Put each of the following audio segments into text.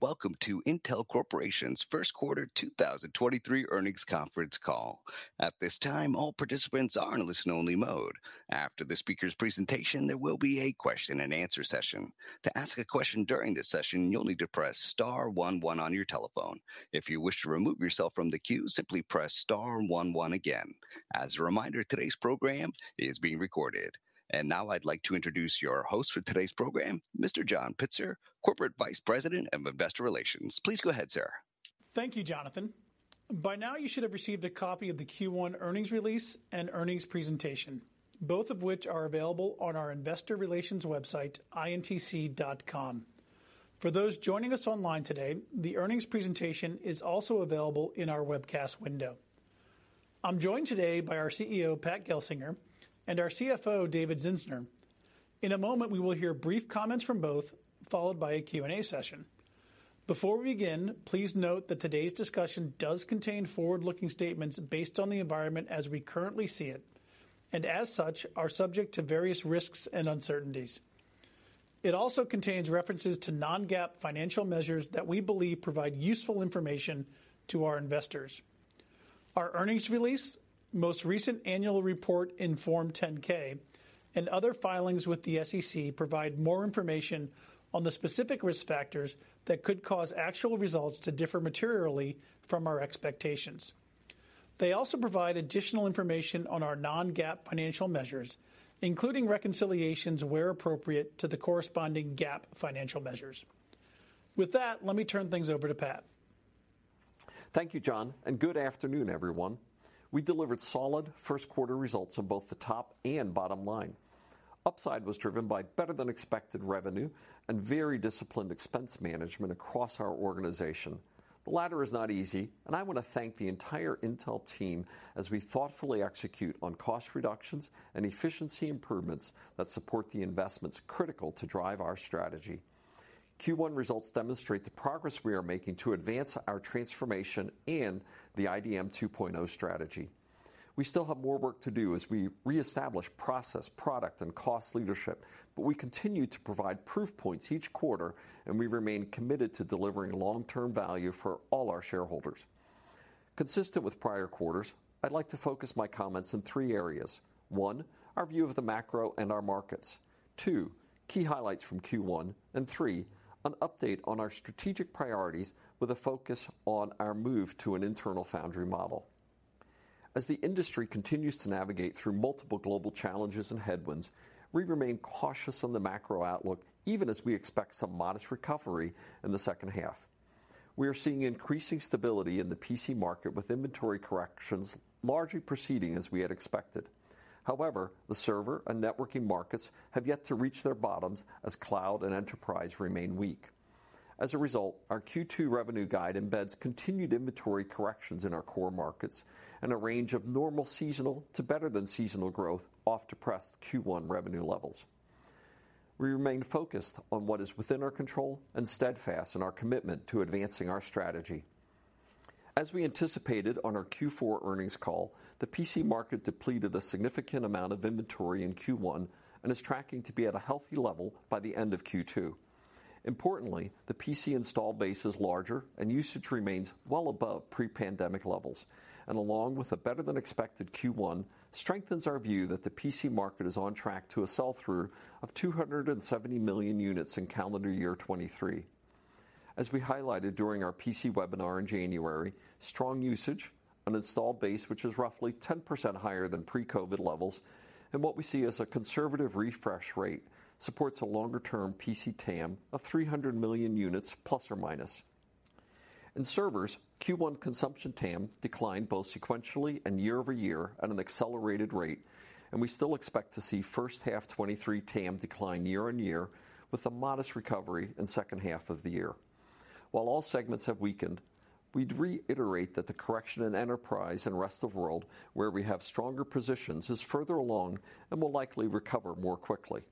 Welcome to Intel Corporation's first quarter 2023 earnings conference call. At this time, all participants are in listen-only mode. After the speaker's presentation, there will be a question and answer session. To ask a question during this session, you'll need to press star one one on your telephone. If you wish to remove yourself from the queue, simply press star one one again. As a reminder, today's program is being recorded. Now I'd like to introduce your host for today's program, Mr. John Pitzer, Corporate Vice President of Investor Relations. Please go ahead, Sir. Thank you, Jonathan. By now you should have received a copy of the Q1 earnings release and earnings presentation, both of which are available on our investor relations website, intc.com. For those joining us online today, the earnings presentation is also available in our webcast window. I'm joined today by our CEO, Pat Gelsinger, and our CFO, David Zinsner. In a moment, we will hear brief comments from both, followed by a Q&A session. Before we begin, please note that today's discussion does contain forward-looking statements based on the environment as we currently see it, and as such, are subject to various risks and uncertainties. It also contains references to non-GAAP financial measures that we believe provide useful information to our investors. Our earnings release, most recent annual report in Form 10-K, and other filings with the SEC provide more information on the specific risk factors that could cause actual results to differ materially from our expectations. They also provide additional information on our non-GAAP financial measures, including reconciliations where appropriate to the corresponding GAAP financial measures. With that, let me turn things over to Pat. Thank you, John, and good afternoon, everyone. We delivered solid first quarter results on both the top and bottom line. Upside was driven by better than expected revenue and very disciplined expense management across our organization. The latter is not easy, and I want to thank the entire Intel team as we thoughtfully execute on cost reductions and efficiency improvements that support the investments critical to drive our strategy. Q1 results demonstrate the progress we are making to advance our transformation and the IDM 2.0 strategy. We still have more work to do as we reestablish process, product and cost leadership, but we continue to provide proof points each quarter, and we remain committed to delivering long-term value for all our shareholders. Consistent with prior quarters, I'd like to focus my comments in three areas. One, our view of the macro and our markets. two, key highlights from Q1. three, an update on our strategic priorities with a focus on our move to an internal foundry model. As the industry continues to navigate through multiple global challenges and headwinds, we remain cautious on the macro outlook even as we expect some modest recovery in the second half. We are seeing increasing stability in the PC market with inventory corrections largely proceeding as we had expected. The server and networking markets have yet to reach their bottoms as cloud and enterprise remain weak. Our Q2 revenue guide embeds continued inventory corrections in our core markets and a range of normal seasonal to better than seasonal growth off depressed Q1 revenue levels. We remain focused on what is within our control and steadfast in our commitment to advancing our strategy. As we anticipated on our Q4 earnings call, the PC market depleted a significant amount of inventory in Q1 and is tracking to be at a healthy level by the end of Q2. Importantly, the PC install base is larger and usage remains well above pre-pandemic levels, and along with a better than expected Q1, strengthens our view that the PC market is on track to a sell-through of 270 million units in calendar year 2023. As we highlighted during our PC webinar in January, strong usage, an installed base which is roughly 10% higher than pre-COVID levels, and what we see as a conservative refresh rate supports a longer-term PC TAM of 300 million units ±. In servers, Q1 consumption TAM declined both sequentially and year-over-year at an accelerated rate. We still expect to see first half 2023 TAM decline year-on-year with a modest recovery in second half of the year. While all segments have weakened, we'd reiterate that the correction in enterprise and rest of world where we have stronger positions is further along and will likely recover more quickly.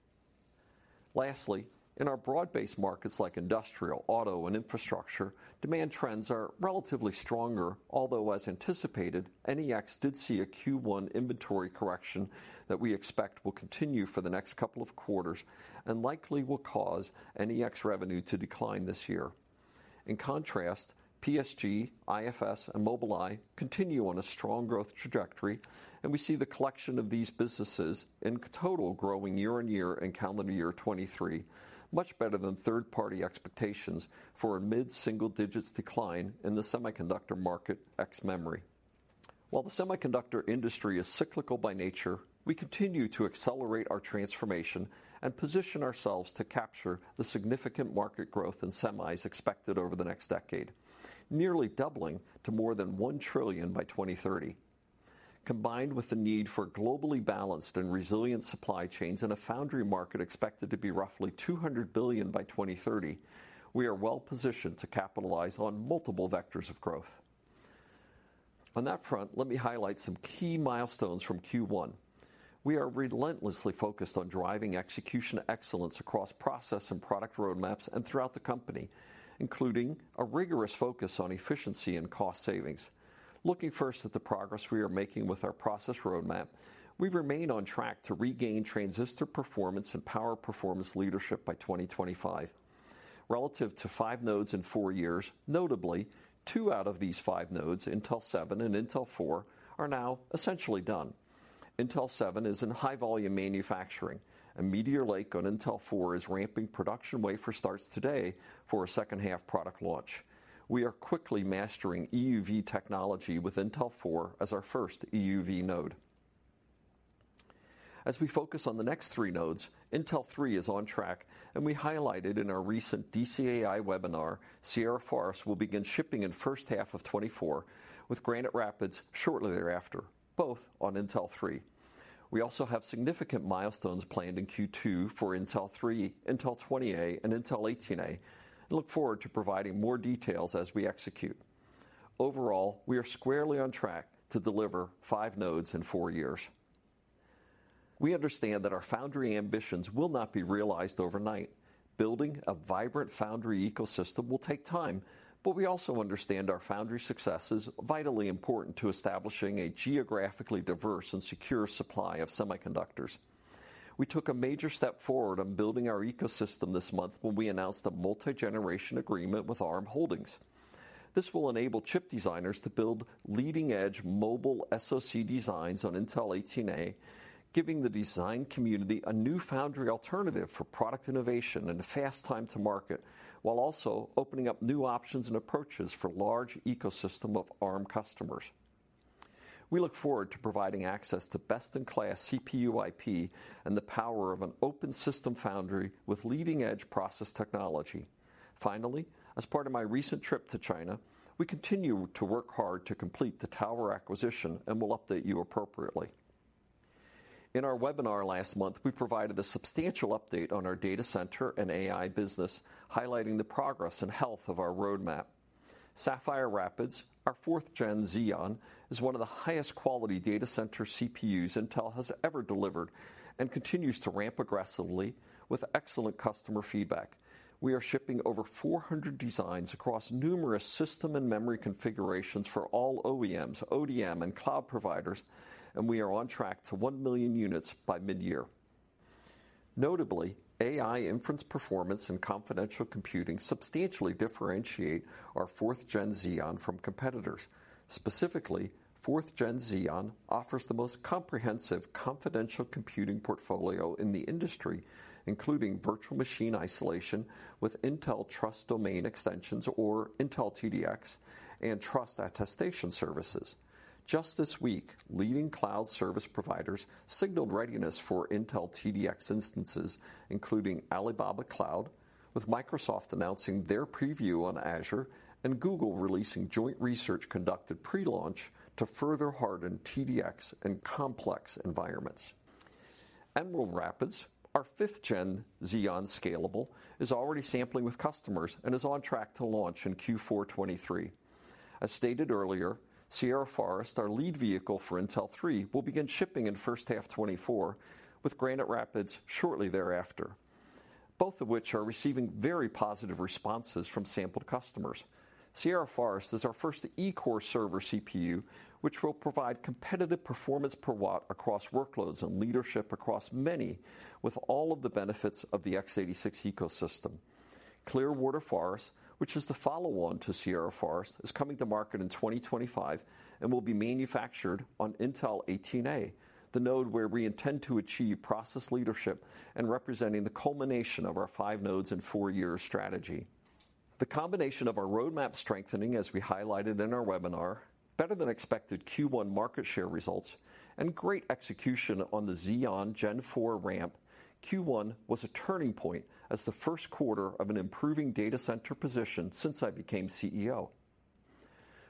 Lastly, in our broad-based markets like industrial, auto, and infrastructure, demand trends are relatively stronger, although as anticipated, NEX did see a Q1 inventory correction that we expect will continue for the next couple of quarters and likely will cause NEX revenue to decline this year. In contrast, PSG, IFS, and Mobileye continue on a strong growth trajectory. We see the collection of these businesses in total growing year on year in calendar year 2023, much better than third-party expectations for a mid-single digits decline in the semiconductor market ex memory. While the semiconductor industry is cyclical by nature, we continue to accelerate our transformation and position ourselves to capture the significant market growth in semis expected over the next decade, nearly doubling to more than $1 trillion by 2030. Combined with the need for globally balanced and resilient supply chains and a foundry market expected to be roughly $200 billion by 2030, we are well positioned to capitalize on multiple vectors of growth. On that front, let me highlight some key milestones from Q1. We are relentlessly focused on driving execution excellence across process and product roadmaps and throughout the company, including a rigorous focus on efficiency and cost savings. Looking first at the progress we are making with our process roadmap, we remain on track to regain transistor performance and power performance leadership by 2025. Relative to five nodes in four years, notably, two out of these five nodes, Intel 7 and Intel 4, are now essentially done. Intel 7 is in high volume manufacturing, and Meteor Lake on Intel 4 is ramping production wafer starts today for a second half product launch. We are quickly mastering EUV technology with Intel 4 as our first EUV node. We focus on the next three nodes, Intel 3 is on track, and we highlighted in our recent DCAI webinar, Sierra Forest will begin shipping in first half of 2024 with Granite Rapids shortly thereafter, both on Intel 3. We also have significant milestones planned in Q2 for Intel 3, Intel 20A, and Intel 18A and look forward to providing more details as we execute. We are squarely on track to deliver five nodes in four years. We understand that our foundry ambitions will not be realized overnight. Building a vibrant foundry ecosystem will take time, but we also understand our foundry success is vitally important to establishing a geographically diverse and secure supply of semiconductors. We took a major step forward on building our ecosystem this month when we announced a multi-generation agreement with Arm Holdings. This will enable chip designers to build leading-edge mobile SoC designs on Intel 18A, giving the design community a new foundry alternative for product innovation and a fast time to market, while also opening up new options and approaches for large ecosystem of Arm customers. We look forward to providing access to best-in-class CPU IP and the power of an open system foundry with leading-edge process technology. As part of my recent trip to China, we continue to work hard to complete the Tower acquisition, and we'll update you appropriately. In our webinar last month, we provided a substantial update on our data center and AI business, highlighting the progress and health of our roadmap. Sapphire Rapids, our 4th-gen Xeon, is one of the highest quality data center CPUs Intel has ever delivered and continues to ramp aggressively with excellent customer feedback. We are shipping over 400 designs across numerous system and memory configurations for all OEMs, ODM, and cloud providers, and we are on track to 1 million units by mid-year. Notably, AI inference performance and confidential computing substantially differentiate our 4th Gen Xeon from competitors. Specifically, 4th Gen Xeon offers the most comprehensive confidential computing portfolio in the industry, including virtual machine isolation with Intel Trust Domain Extensions, or Intel TDX, and Trust Attestation Services. Just this week, leading cloud service providers signaled readiness for Intel TDX instances, including Alibaba Cloud, with Microsoft announcing their preview on Azure, and Google releasing joint research conducted pre-launch to further harden TDX in complex environments. Emerald Rapids, our 5th Gen Xeon Scalable, is already sampling with customers and is on track to launch in Q4 2023. As stated earlier, Sierra Forest, our lead vehicle for Intel 3, will begin shipping in first half 2024 with Granite Rapids shortly thereafter, both of which are receiving very positive responses from sampled customers. Sierra Forest is our first E-core server CPU, which will provide competitive performance per watt across workloads and leadership across many with all of the benefits of the x86 ecosystem. Clearwater Forest, which is the follow-on to Sierra Forest, is coming to market in 2025 and will be manufactured on Intel 18A, the node where we intend to achieve process leadership and representing the culmination of our five nodes in four year strategy. The combination of our roadmap strengthening as we highlighted in our webinar, better than expected Q1 market share results, and great execution on the Xeon Gen four ramp, Q1 was a turning point as the first quarter of an improving data center position since I became CEO.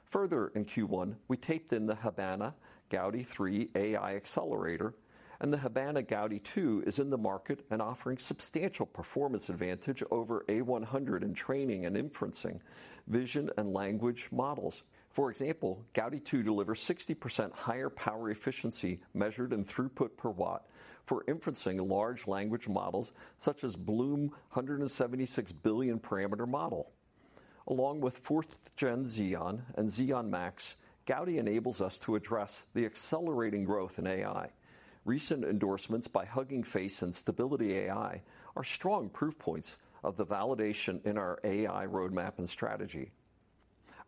Further in Q1, we taped in the Gaudi 3 AI accelerator, and the Gaudi 2 is in the market and offering substantial performance advantage over A100 in training and inferencing vision and language models. For example, Gaudi 2 delivers 60% higher power efficiency measured in throughput per watt for inferencing large language models such as BLOOM 176-billion parameter model. Along with fourth gen Xeon and Xeon Max, Gaudi enables us to address the accelerating growth in AI. Recent endorsements by Hugging Face and Stability AI are strong proof points of the validation in our AI roadmap and strategy.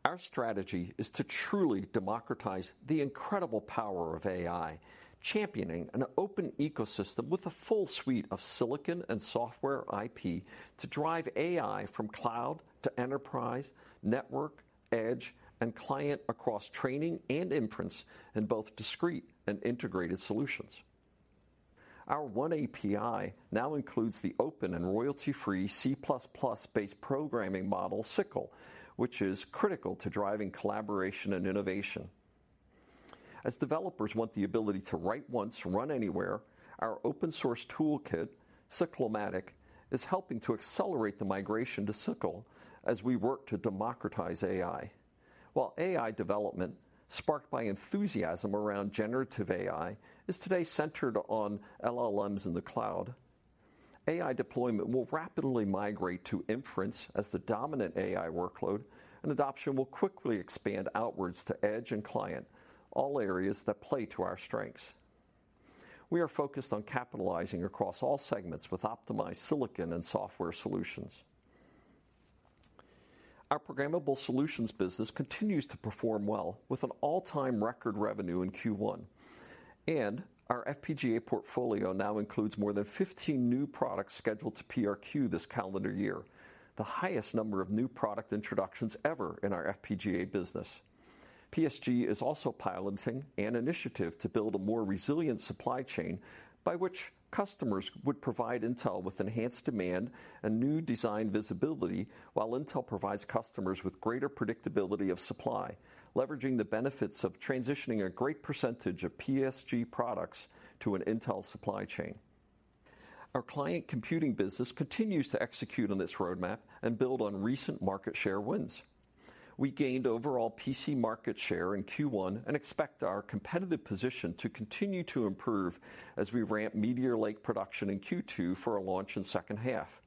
Our strategy is to truly democratize the incredible power of AI, championing an open ecosystem with a full suite of silicon and software IP to drive AI from cloud to enterprise, network, edge, and client across training and inference in both discrete and integrated solutions. Our oneAPI now includes the open and royalty-free C++ based programming model SYCL, which is critical to driving collaboration and innovation. As developers want the ability to write once, run anywhere, our open source toolkit, SYCLomatic, is helping to accelerate the migration to SYCL as we work to democratize AI. While AI development sparked by enthusiasm around generative AI is today centered on LLMs in the cloud, AI deployment will rapidly migrate to inference as the dominant AI workload and adoption will quickly expand outwards to edge and client, all areas that play to our strengths. We are focused on capitalizing across all segments with optimized silicon and software solutions. Our Programmable Solutions business continues to perform well with an all-time record revenue in Q1. Our FPGA portfolio now includes more than 15 new products scheduled to PRQ this calendar year, the highest number of new product introductions ever in our FPGA business. PSG is also piloting an initiative to build a more resilient supply chain by which customers would provide Intel with enhanced demand and new design visibility while Intel provides customers with greater predictability of supply, leveraging the benefits of transitioning a great percentage of PSG products to an Intel supply chain. Our client computing business continues to execute on this roadmap and build on recent market share wins. We gained overall PC market share in Q1 and expect our competitive position to continue to improve as we ramp Meteor Lake production in Q2 for a launch in second half.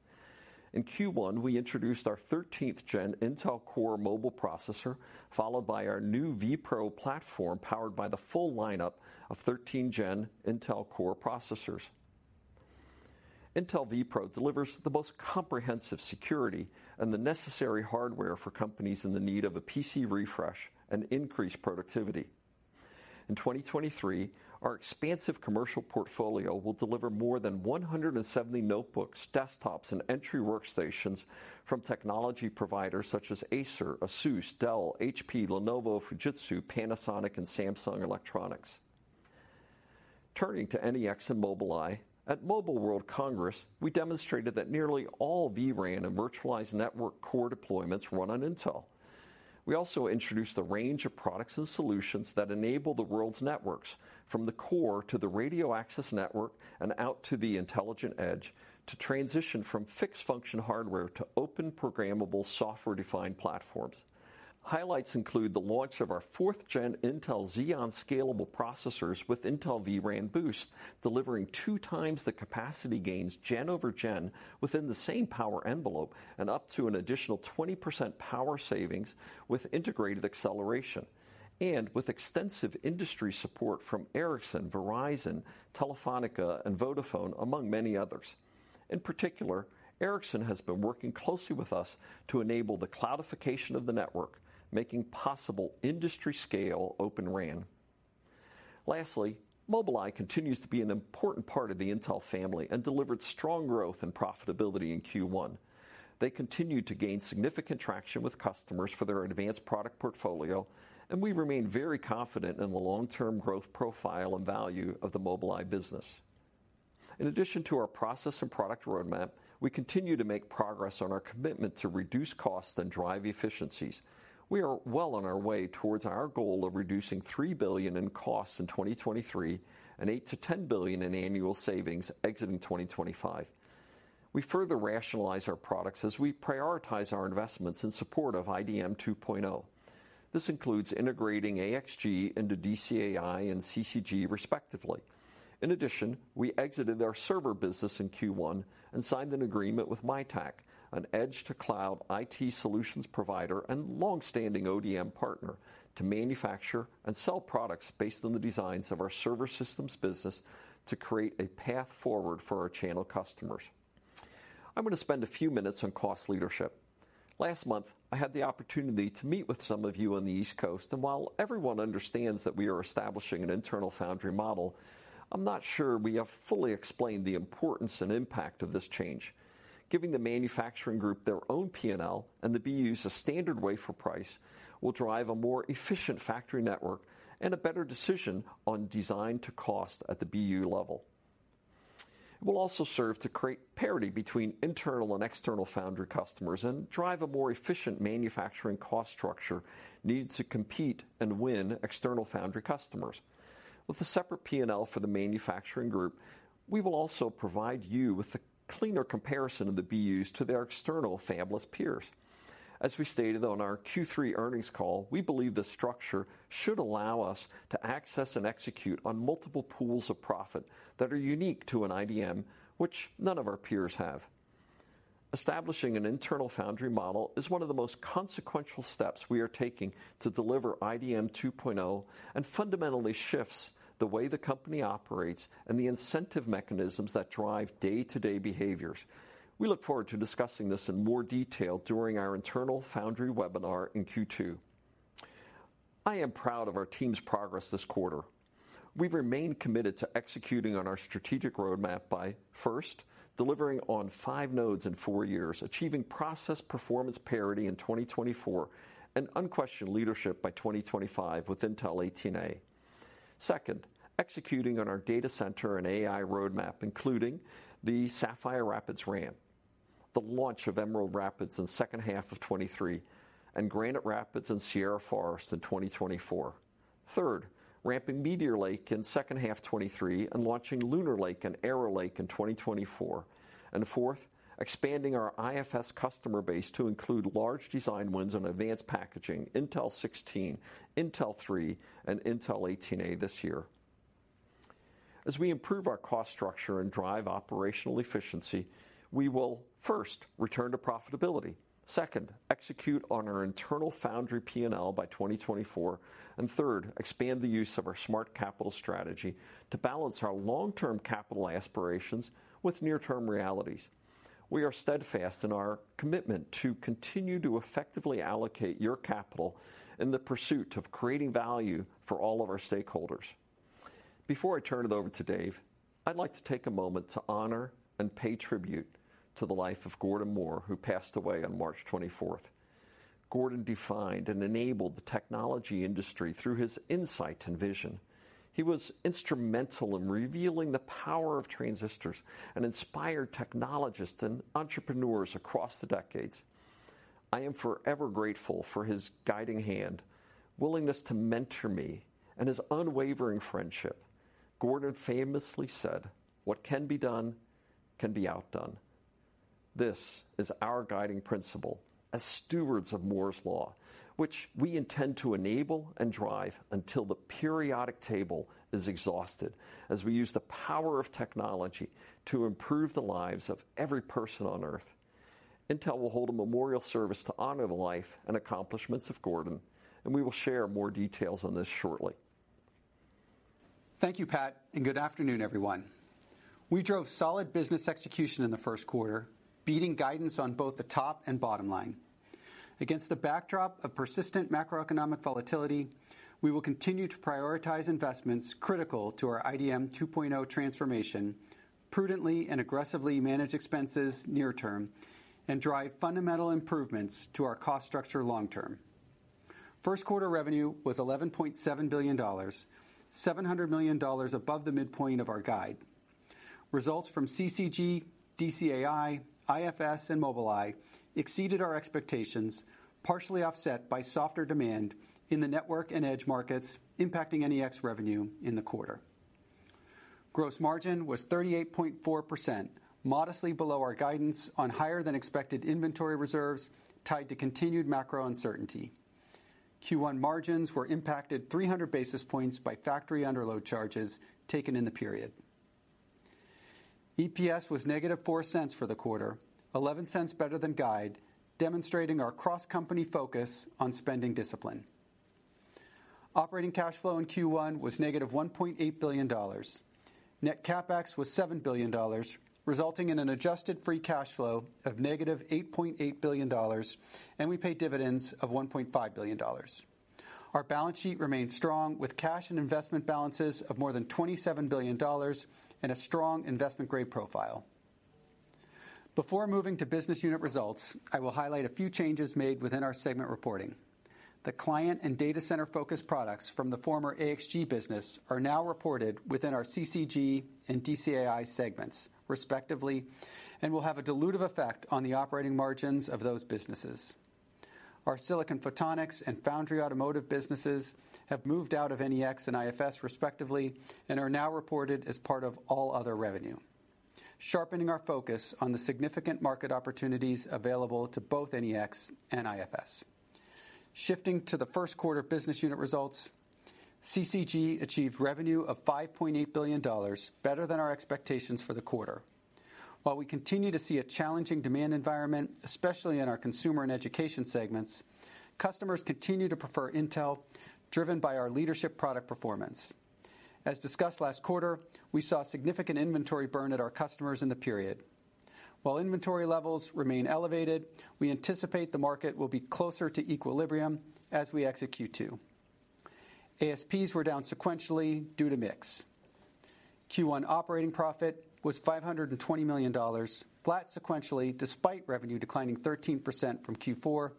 In Q1, we introduced our 13th gen Intel Core mobile processor, followed by our new vPro platform, powered by the full lineup of 13th gen Intel Core processors. Intel vPro delivers the most comprehensive security and the necessary hardware for companies in the need of a PC refresh and increased productivity. In 2023, our expansive commercial portfolio will deliver more than 170 notebooks, desktops, and entry workstations from technology providers such as Acer, Asus, Dell, HP, Lenovo, Fujitsu, Panasonic, and Samsung Electronics. Turning to NEX and Mobileye, at Mobile World Congress, we demonstrated that nearly all vRAN and virtualized network core deployments run on Intel. We also introduced a range of products and solutions that enable the world's networks from the core to the radio access network and out to the intelligent edge to transition from fixed function hardware to open programmable software-defined platforms. Highlights include the launch of our 4th Gen Intel Xeon Scalable processors with Intel vRAN Boost, delivering two times the capacity gains gen-over-gen within the same power envelope and up to an additional 20% power savings with integrated acceleration and with extensive industry support from Ericsson, Verizon, Telefónica, and Vodafone, among many others. In particular, Ericsson has been working closely with us to enable the cloudification of the network, making possible industry scale Open RAN. Lastly, Mobileye continues to be an important part of the Intel family and delivered strong growth and profitability in Q1. They continue to gain significant traction with customers for their advanced product portfolio, and we remain very confident in the long-term growth profile and value of the Mobileye business. In addition to our process and product roadmap, we continue to make progress on our commitment to reduce costs and drive efficiencies. We are well on our way towards our goal of reducing $3 billion in costs in 2023 and $8 billion-$10 billion in annual savings exiting 2025. We further rationalize our products as we prioritize our investments in support of IDM 2.0. This includes integrating AXG into DCAI and CCG respectively. In addition, we exited our server business in Q1 and signed an agreement with MiTAC, an edge to cloud IT solutions provider and long-standing ODM partner, to manufacture and sell products based on the designs of our server systems business to create a path forward for our channel customers. I'm going to spend a few minutes on cost leadership. Last month, I had the opportunity to meet with some of you on the East Coast, and while everyone understands that we are establishing an internal foundry model, I'm not sure we have fully explained the importance and impact of this change. Giving the manufacturing group their own P&L and the BUs a standard wafer price will drive a more efficient factory network and a better decision on design to cost at the BU level. It will also serve to create parity between internal and external foundry customers and drive a more efficient manufacturing cost structure needed to compete and win external foundry customers. With a separate P&L for the manufacturing group, we will also provide you with a cleaner comparison of the BUs to their external fabless peers. As we stated on our Q3 earnings call, we believe this structure should allow us to access and execute on multiple pools of profit that are unique to an IDM which none of our peers have. Establishing an internal foundry model is one of the most consequential steps we are taking to deliver IDM 2.0 and fundamentally shifts the way the company operates and the incentive mechanisms that drive day-to-day behaviors. We look forward to discussing this in more detail during our internal foundry webinar in Q2. I am proud of our team's progress this quarter. We remain committed to executing on our strategic roadmap by, first, delivering on five nodes in four years, achieving process performance parity in 2024 and unquestioned leadership by 2025 with Intel 18A. Second, executing on our Datacenter and AI roadmap, including the Sapphire Rapids Ramp, the launch of Emerald Rapids in second half of 2023, and Granite Rapids and Sierra Forest in 2024. Third, ramping Meteor Lake in second half 2023 and launching Lunar Lake and Arrow Lake in 2024. Fourth, expanding our IFS customer base to include large design wins on advanced packaging Intel 16, Intel 3, and Intel 18A this year. As we improve our cost structure and drive operational efficiency, we will first return to profitability. Second, execute on our internal foundry P&L by 2024. Third, expand the use of our Smart Capital strategy to balance our long-term capital aspirations with near-term realities. We are steadfast in our commitment to continue to effectively allocate your capital in the pursuit of creating value for all of our stakeholders. Before I turn it over to Dave, I'd like to take a moment to honor and pay tribute to the life of Gordon Moore, who passed away on March 24th. Gordon defined and enabled the technology industry through his insight and vision. He was instrumental in revealing the power of transistors and inspired technologists and entrepreneurs across the decades. I am forever grateful for his guiding hand, willingness to mentor me, and his unwavering friendship. Gordon famously said, "What can be done, can be outdone." This is our guiding principle as stewards of Moore's Law, which we intend to enable and drive until the periodic table is exhausted, as we use the power of technology to improve the lives of every person on Earth. Intel will hold a memorial service to honor the life and accomplishments of Gordon. We will share more details on this shortly. Thank you, Pat, good afternoon, everyone. We drove solid business execution in the first quarter, beating guidance on both the top and bottom line. Against the backdrop of persistent macroeconomic volatility, we will continue to prioritize investments critical to our IDM 2.0 transformation prudently and aggressively manage expenses near term and drive fundamental improvements to our cost structure long term. First quarter revenue was $11.7 billion, $700 million above the midpoint of our guide. Results from CCG, DCAI, IFS, and Mobileye exceeded our expectations, partially offset by softer demand in the network and edge markets impacting NEX revenue in the quarter. Gross margin was 38.4%, modestly below our guidance on higher than expected inventory reserves tied to continued macro uncertainty. Q1 margins were impacted 300 basis points by factory underload charges taken in the period. EPS was -$0.04 for the quarter, $0.11 better than guide, demonstrating our cross-company focus on spending discipline. Operating cash flow in Q1 was -$1.8 billion. Net CapEx was $7 billion, resulting in an adjusted free cash flow of -$8.8 billion. We paid dividends of $1.5 billion. Our balance sheet remains strong with cash and investment balances of more than $27 billion and a strong investment-grade profile. Before moving to business unit results, I will highlight a few changes made within our segment reporting. The client and data center-focused products from the former AXG business are now reported within our CCG and DCAI segments, respectively, and will have a dilutive effect on the operating margins of those businesses. Our silicon photonics and foundry automotive businesses have moved out of NEX and IFS, respectively, and are now reported as part of all other revenue, sharpening our focus on the significant market opportunities available to both NEX and IFS. Shifting to the first quarter business unit results, CCG achieved revenue of $5.8 billion, better than our expectations for the quarter. While we continue to see a challenging demand environment, especially in our consumer and education segments, customers continue to prefer Intel, driven by our leadership product performance. As discussed last quarter, we saw significant inventory burn at our customers in the period. While inventory levels remain elevated, we anticipate the market will be closer to equilibrium as we execute two. ASPs were down sequentially due to mix. Q1 operating profit was $520 million, flat sequentially despite revenue declining 13% from Q4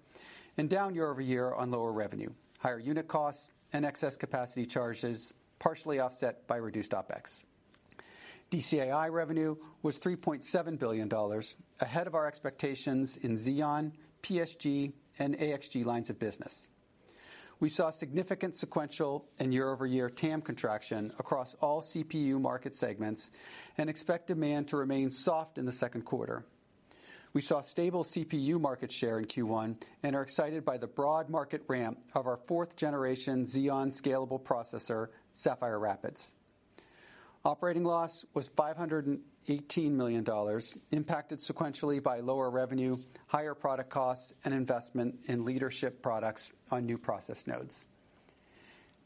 and down year-over-year on lower revenue, higher unit costs, and excess capacity charges partially offset by reduced OpEx. DCAI revenue was $3.7 billion, ahead of our expectations in Xeon, PSG, and AXG lines of business. We saw significant sequential and year-over-year TAM contraction across all CPU market segments and expect demand to remain soft in the second quarter. We saw stable CPU market share in Q1 and are excited by the broad market ramp of our fourth generation Xeon Scalable processor, Sapphire Rapids. Operating loss was $518 million, impacted sequentially by lower revenue, higher product costs, and investment in leadership products on new process nodes.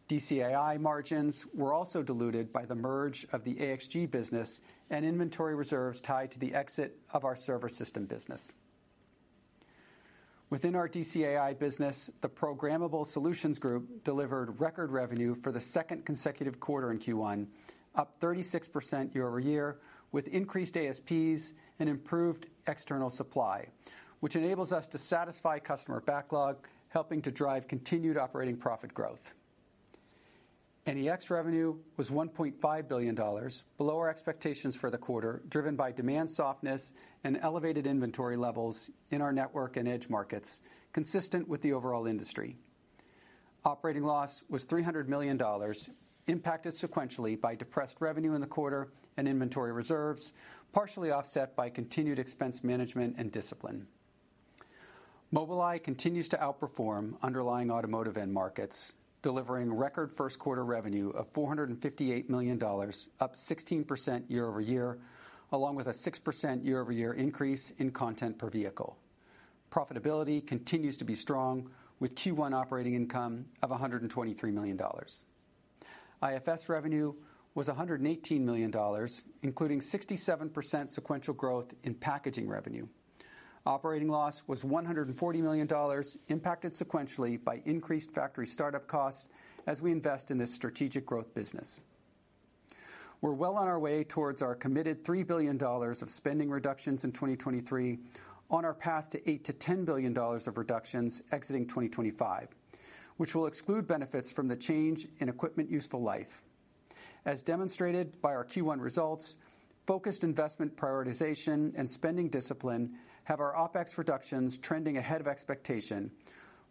DCAI margins were also diluted by the merge of the AXG business and inventory reserves tied to the exit of our server system business. Within our DCAI business, the Programmable Solutions Group delivered record revenue for the second consecutive quarter in Q1, up 36% year-over-year with increased ASPs and improved external supply, which enables us to satisfy customer backlog, helping to drive continued operating profit growth. NEX revenue was $1.5 billion, below our expectations for the quarter, driven by demand softness and elevated inventory levels in our network and edge markets, consistent with the overall industry. Operating loss was $300 million, impacted sequentially by depressed revenue in the quarter and inventory reserves, partially offset by continued expense management and discipline. Mobileye continues to outperform underlying automotive end markets, delivering record first quarter revenue of $458 million, up 6% year-over-year, along with a 6% year-over-year increase in content per vehicle. Profitability continues to be strong with Q1 operating income of $123 million. IFS revenue was $118 million, including 67% sequential growth in packaging revenue. Operating loss was $140 million impacted sequentially by increased factory startup costs as we invest in this strategic growth business. We're well on our way towards our committed $3 billion of spending reductions in 2023 on our path to $8 billion-$10 billion of reductions exiting 2025, which will exclude benefits from the change in equipment useful life. As demonstrated by our Q1 results, focused investment prioritization and spending discipline have our OpEx reductions trending ahead of expectation,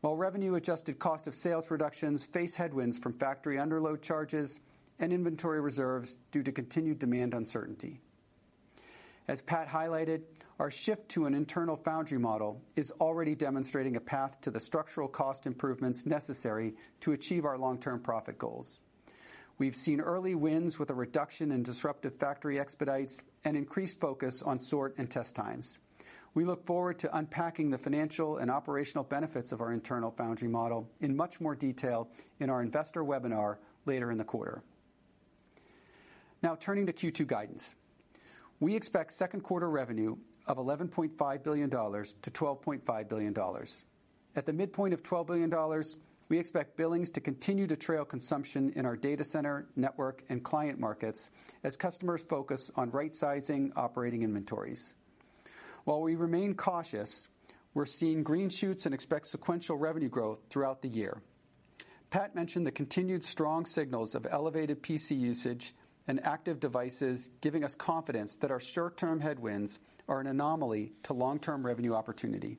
while revenue-adjusted cost of sales reductions face headwinds from factory underload charges and inventory reserves due to continued demand uncertainty. As Pat highlighted, our shift to an internal foundry model is already demonstrating a path to the structural cost improvements necessary to achieve our long-term profit goals. We've seen early wins with a reduction in disruptive factory expedites and increased focus on sort and test times. We look forward to unpacking the financial and operational benefits of our internal foundry model in much more detail in our investor webinar later in the quarter. Turning to Q2 guidance. We expect second quarter revenue of $11.5 billion-$12.5 billion. At the midpoint of $12 billion, we expect billings to continue to trail consumption in our data center, network, and client markets as customers focus on right-sizing operating inventories. While we remain cautious, we're seeing green shoots and expect sequential revenue growth throughout the year. Pat mentioned the continued strong signals of elevated PC usage and active devices, giving us confidence that our short-term headwinds are an anomaly to long-term revenue opportunity.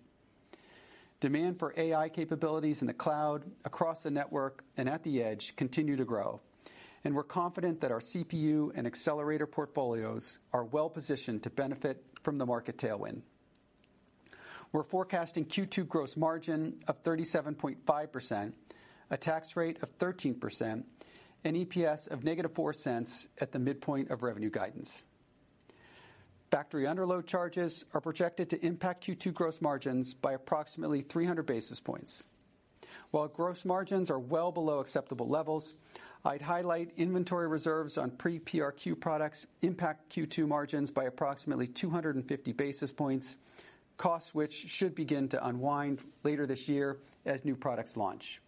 Demand for AI capabilities in the cloud, across the network, and at the edge continue to grow, and we're confident that our CPU and accelerator portfolios are well-positioned to benefit from the market tailwind. We're forecasting Q2 gross margin of 37.5%, a tax rate of 13%, and EPS of -$0.04 at the midpoint of revenue guidance. Factory underload charges are projected to impact Q2 gross margins by approximately 300 basis points. While gross margins are well below acceptable levels, I'd highlight inventory reserves on pre-PRQ products impact Q2 margins by approximately 250 basis points, costs which should begin to unwind later this year as new products launch.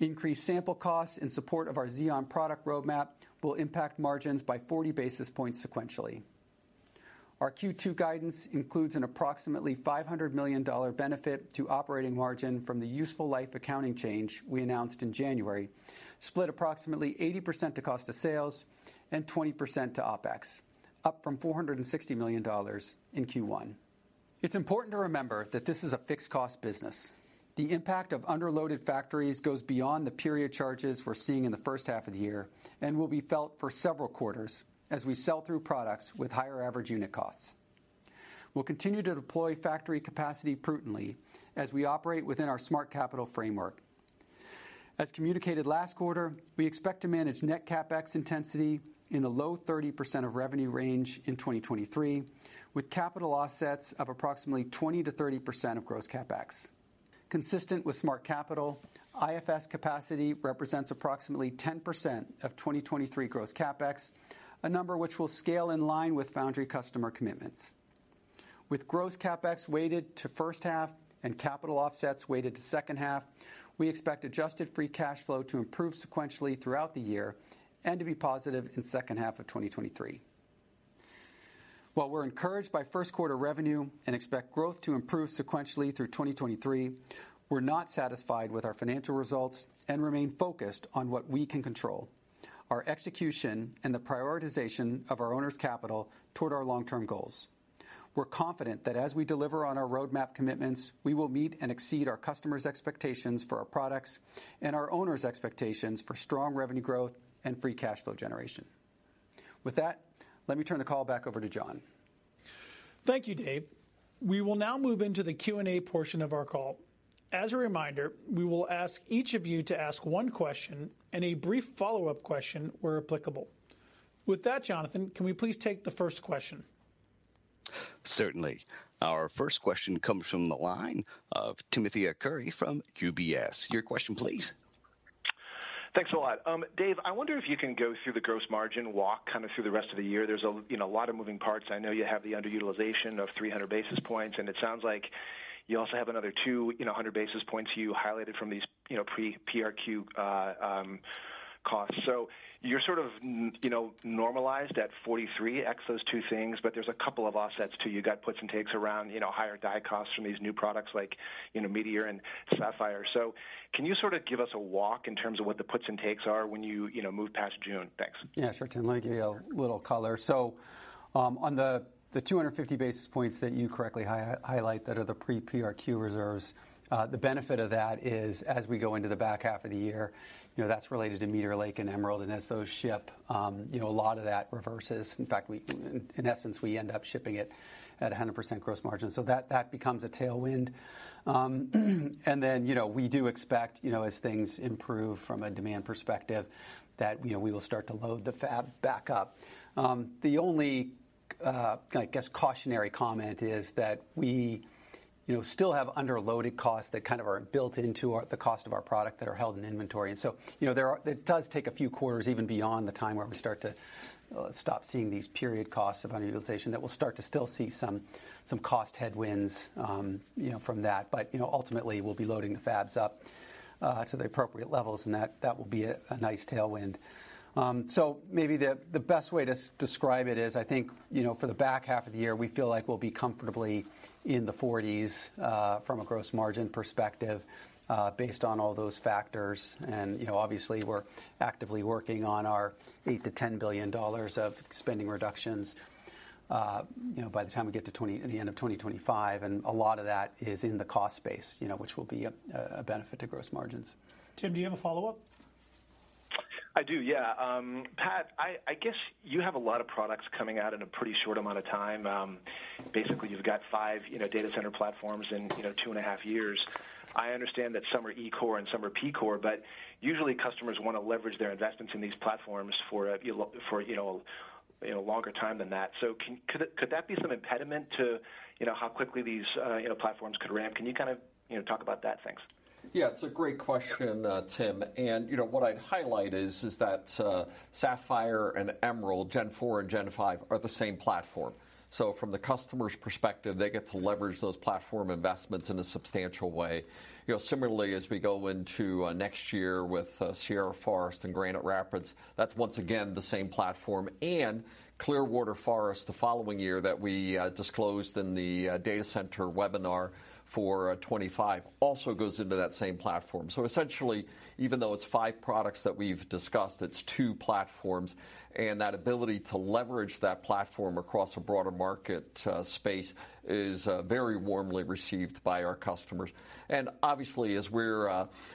Increased sample costs in support of our Xeon product roadmap will impact margins by 40 basis points sequentially. Our Q2 guidance includes an approximately $500 million benefit to operating margin from the useful life accounting change we announced in January, split approximately 80% to cost of sales and 20% to OpEx, up from $460 million in Q1. It's important to remember that this is a fixed cost business. The impact of underloaded factories goes beyond the period charges we're seeing in the first half of the year and will be felt for several quarters as we sell through products with higher average unit costs. We'll continue to deploy factory capacity prudently as we operate within our Smart Capital framework. As communicated last quarter, we expect to manage net CapEx intensity in the low 30% of revenue range in 2023, with capital offsets of approximately 20%-30% of gross CapEx. Consistent with Smart Capital, IFS capacity represents approximately 10% of 2023 gross CapEx, a number which will scale in line with foundry customer commitments. With gross CapEx weighted to first half and capital offsets weighted to second half, we expect adjusted free cash flow to improve sequentially throughout the year and to be positive in second half of 2023. While we're encouraged by first quarter revenue and expect growth to improve sequentially through 2023, we're not satisfied with our financial results and remain focused on what we can control, our execution and the prioritization of our owners' capital toward our long-term goals. We're confident that as we deliver on our roadmap commitments, we will meet and exceed our customers' expectations for our products and our owners' expectations for strong revenue growth and free cash flow generation. Let me turn the call back over to John. Thank you, Dave. We will now move into the Q&A portion of our call. As a reminder, we will ask each of you to ask one question and a brief follow-up question where applicable. With that, Jonathan, can we please take the first question? Certainly. Our first question comes from the line of Timothy Arcuri from UBS. Your question, please. Thanks a lot. Dave, I wonder if you can go through the gross margin walk kind of through the rest of the year. There's a, you know, lot of moving parts. I know you have the underutilization of 300 basis points, and it sounds like you also have another 200 basis points you highlighted from these, you know, pre-PRQ costs. You're sort of you know, normalized at 43 ex those two things, but there's a couple of offsets too. You got puts and takes around, you know, higher die costs from these new products like, you know, Meteor and Sapphire. Can you sort of give us a walk in terms of what the puts and takes are when you know, move past June? Thanks. Yeah, sure, Tim. Let me give you a little color. on the 250 basis points that you correctly highlight that are the pre-PRQ reserves, the benefit of that is as we go into the back half of the year, you know, that's related to Meteor Lake and Emerald, and as those ship, you know, a lot of that reverses. In fact, in essence, we end up shipping it at a 100% gross margin. That becomes a tailwind. we do expect, you know, as things improve from a demand perspective that, you know, we will start to load the fab back up. The only I guess cautionary comment is that we, you know, still have underloaded costs that kind of are built into the cost of our product that are held in inventory. It does take a few quarters even beyond the time where we start to stop seeing these period costs of underutilization that we'll start to still see some cost headwinds, you know, from that. Ultimately, we'll be loading the fabs up to the appropriate levels, and that will be a nice tailwind. Maybe the best way to describe it is, I think, you know, for the back half of the year, we feel like we'll be comfortably in the 40s from a gross margin perspective, based on all those factors. You know, obviously we're actively working on our $8 billion-$10 billion of spending reductions, you know, by the time we get to the end of 2025, and a lot of that is in the cost base, you know, which will be a benefit to gross margins. Tim, do you have a follow-up? I do, yeah. Pat, I guess you have a lot of products coming out in a pretty short amount of time. Basically you've got five, you know, data center platforms in, you know, two and a half years. I understand that some are E-core and some are P-core, but usually customers wanna leverage their investments in these platforms for, you know, a longer time than that. Could that be some impediment to, you know, how quickly these, you know, platforms could ramp? Can you kind of, you know, talk about that? Thanks. It's a great question, Tim. You know, what I'd highlight is that, Sapphire and Emerald, Gen 4 and Gen 5 are the same platform. From the customer's perspective, they get to leverage those platform investments in a substantial way. You know, similarly, as we go into next year with Sierra Forest and Granite Rapids, that's once again the same platform. Clearwater Forest, the following year that we disclosed in the data center webinar for 2025, also goes into that same platform. Essentially, even though it's five products that we've discussed, it's two platforms, and that ability to leverage that platform across a broader market space is very warmly received by our customers. Obviously, as we're,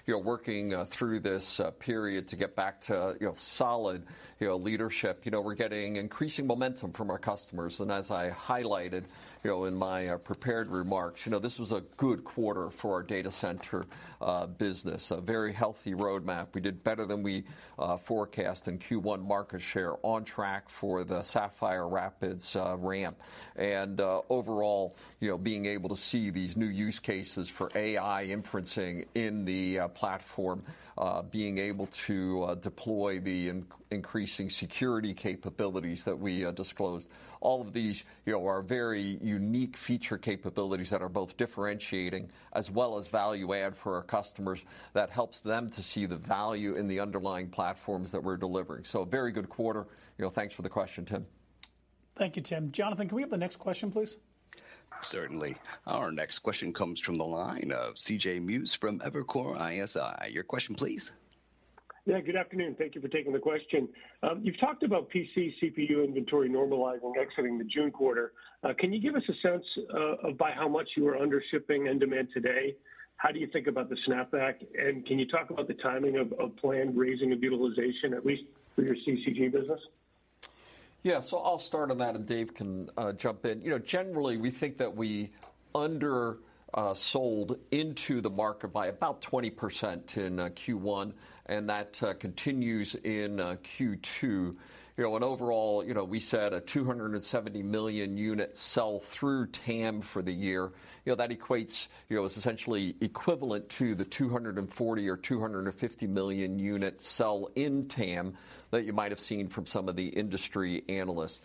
you know, working through this period to get back to, you know, solid, you know, leadership. You know, we're getting increasing momentum from our customers, and as I highlighted, you know, in my prepared remarks, you know, this was a good quarter for our data center business, a very healthy roadmap. We did better than we forecast in Q1 market share on track for the Sapphire Rapids ramp. Overall, you know, being able to see these new use cases for AI inferencing in the platform, being able to deploy the increasing security capabilities that we disclosed. All of these, you know, are very unique feature capabilities that are both differentiating as well as value add for our customers that helps them to see the value in the underlying platforms that we're delivering. A very good quarter. You know, thanks for the question, Tim. Thank you, Tim. Jonathan, can we have the next question, please? Certainly. Our next question comes from the line of CJ Muse from Evercore ISI. Your question please. Good afternoon. Thank you for taking the question. You've talked about PC CPU inventory normalizing exiting the June quarter. Can you give us a sense of by how much you are under shipping and demand today? How do you think about the snapback, and can you talk about the timing of planned raising of utilization, at least for your CCG business? Yeah. I'll start on that, and Dave can jump in. You know, generally we think that we undersold into the market by about 20% in Q1, and that continues in Q2. You know, overall, you know, we set a 270 million unit sell through TAM for the year. You know, that equates, you know, it's essentially equivalent to the 240 million or 250 million unit sell in TAM that you might have seen from some of the industry analysts.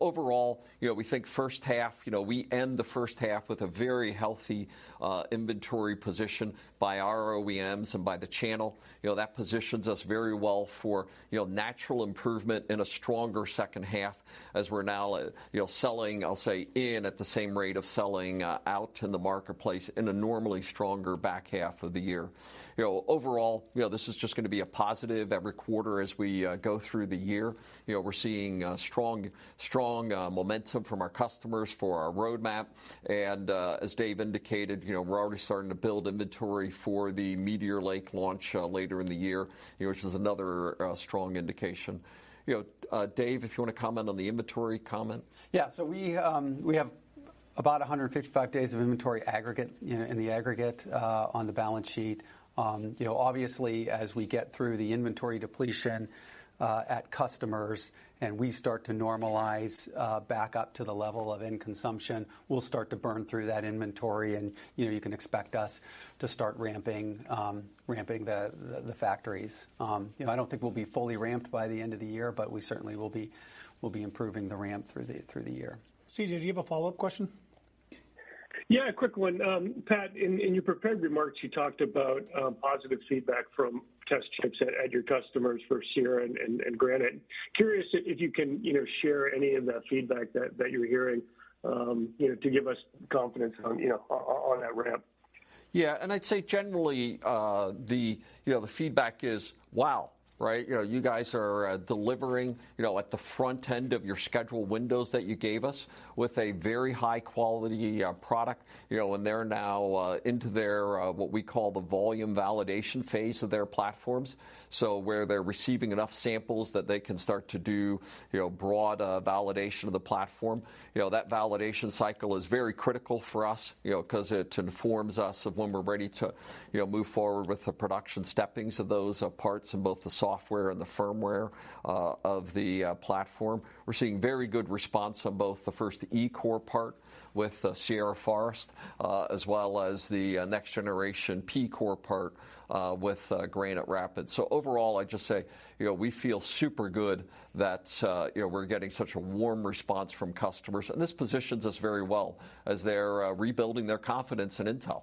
Overall, you know, we think first half, you know, we end the first half with a very healthy inventory position by our OEMs and by the channel. You know, that positions us very well for, you know, natural improvement and a stronger second half as we're now, you know, selling, I'll say, in at the same rate of selling out in the marketplace in a normally stronger back half of the year. You know, overall, you know, this is just gonna be a positive every quarter as we go through the year. You know, we're seeing strong momentum from our customers for our roadmap, and as Dave indicated, you know, we're already starting to build inventory for the Meteor Lake launch later in the year, you know, which is another strong indication. You know, Dave, if you wanna comment on the inventory comment. We have about 155 days of inventory aggregate, you know, in the aggregate, on the balance sheet. You know, obviously as we get through the inventory depletion, at customers and we start to normalize, back up to the level of end consumption, we'll start to burn through that inventory and, you know, you can expect us to start ramping the factories. You know, I don't think we'll be fully ramped by the end of the year, but we certainly will be improving the ramp through the year. C.J., do you have a follow-up question? Yeah, a quick one. Pat, in your prepared remarks, you talked about positive feedback from test chips at your customers for Sierra and Granite. Curious if you can, you know, share any of that feedback that you're hearing, you know, to give us confidence on, you know, on that ramp? Yeah. I'd say generally, the, you know, the feedback is wow, right? You know, you guys are delivering, you know, at the front end of your scheduled windows that you gave us with a very high quality product, you know, and they're now into their, what we call the volume validation phase of their platforms. Where they're receiving enough samples that they can start to do, you know, broad validation of the platform. You know, that validation cycle is very critical for us, you know, 'cause it informs us of when we're ready to, you know, move forward with the production steppings of those parts in both the software and the firmware of the platform. We're seeing very good response on both the first E-core part with Sierra Forest, as well as the next generation P-core part with Granite Rapids. Overall, I'd just say, you know, we feel super good that, you know, we're getting such a warm response from customers, and this positions us very well as they're rebuilding their confidence in Intel.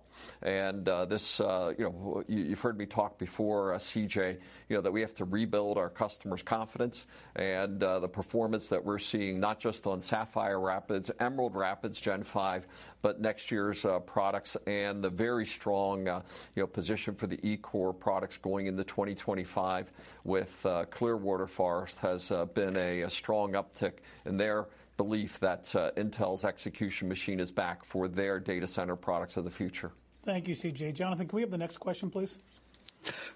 This, you know, you've heard me talk before, CJ, you know, that we have to rebuild our customers' confidence. The performance that we're seeing, not just on Sapphire Rapids, Emerald Rapids Gen 5, but next year's products and the very strong, you know, position for the E-core products going into 2025 with Clearwater Forest has been a strong uptick in their belief that Intel's execution machine is back for their data center products of the future. Thank you, CJ. Jonathan, can we have the next question, please?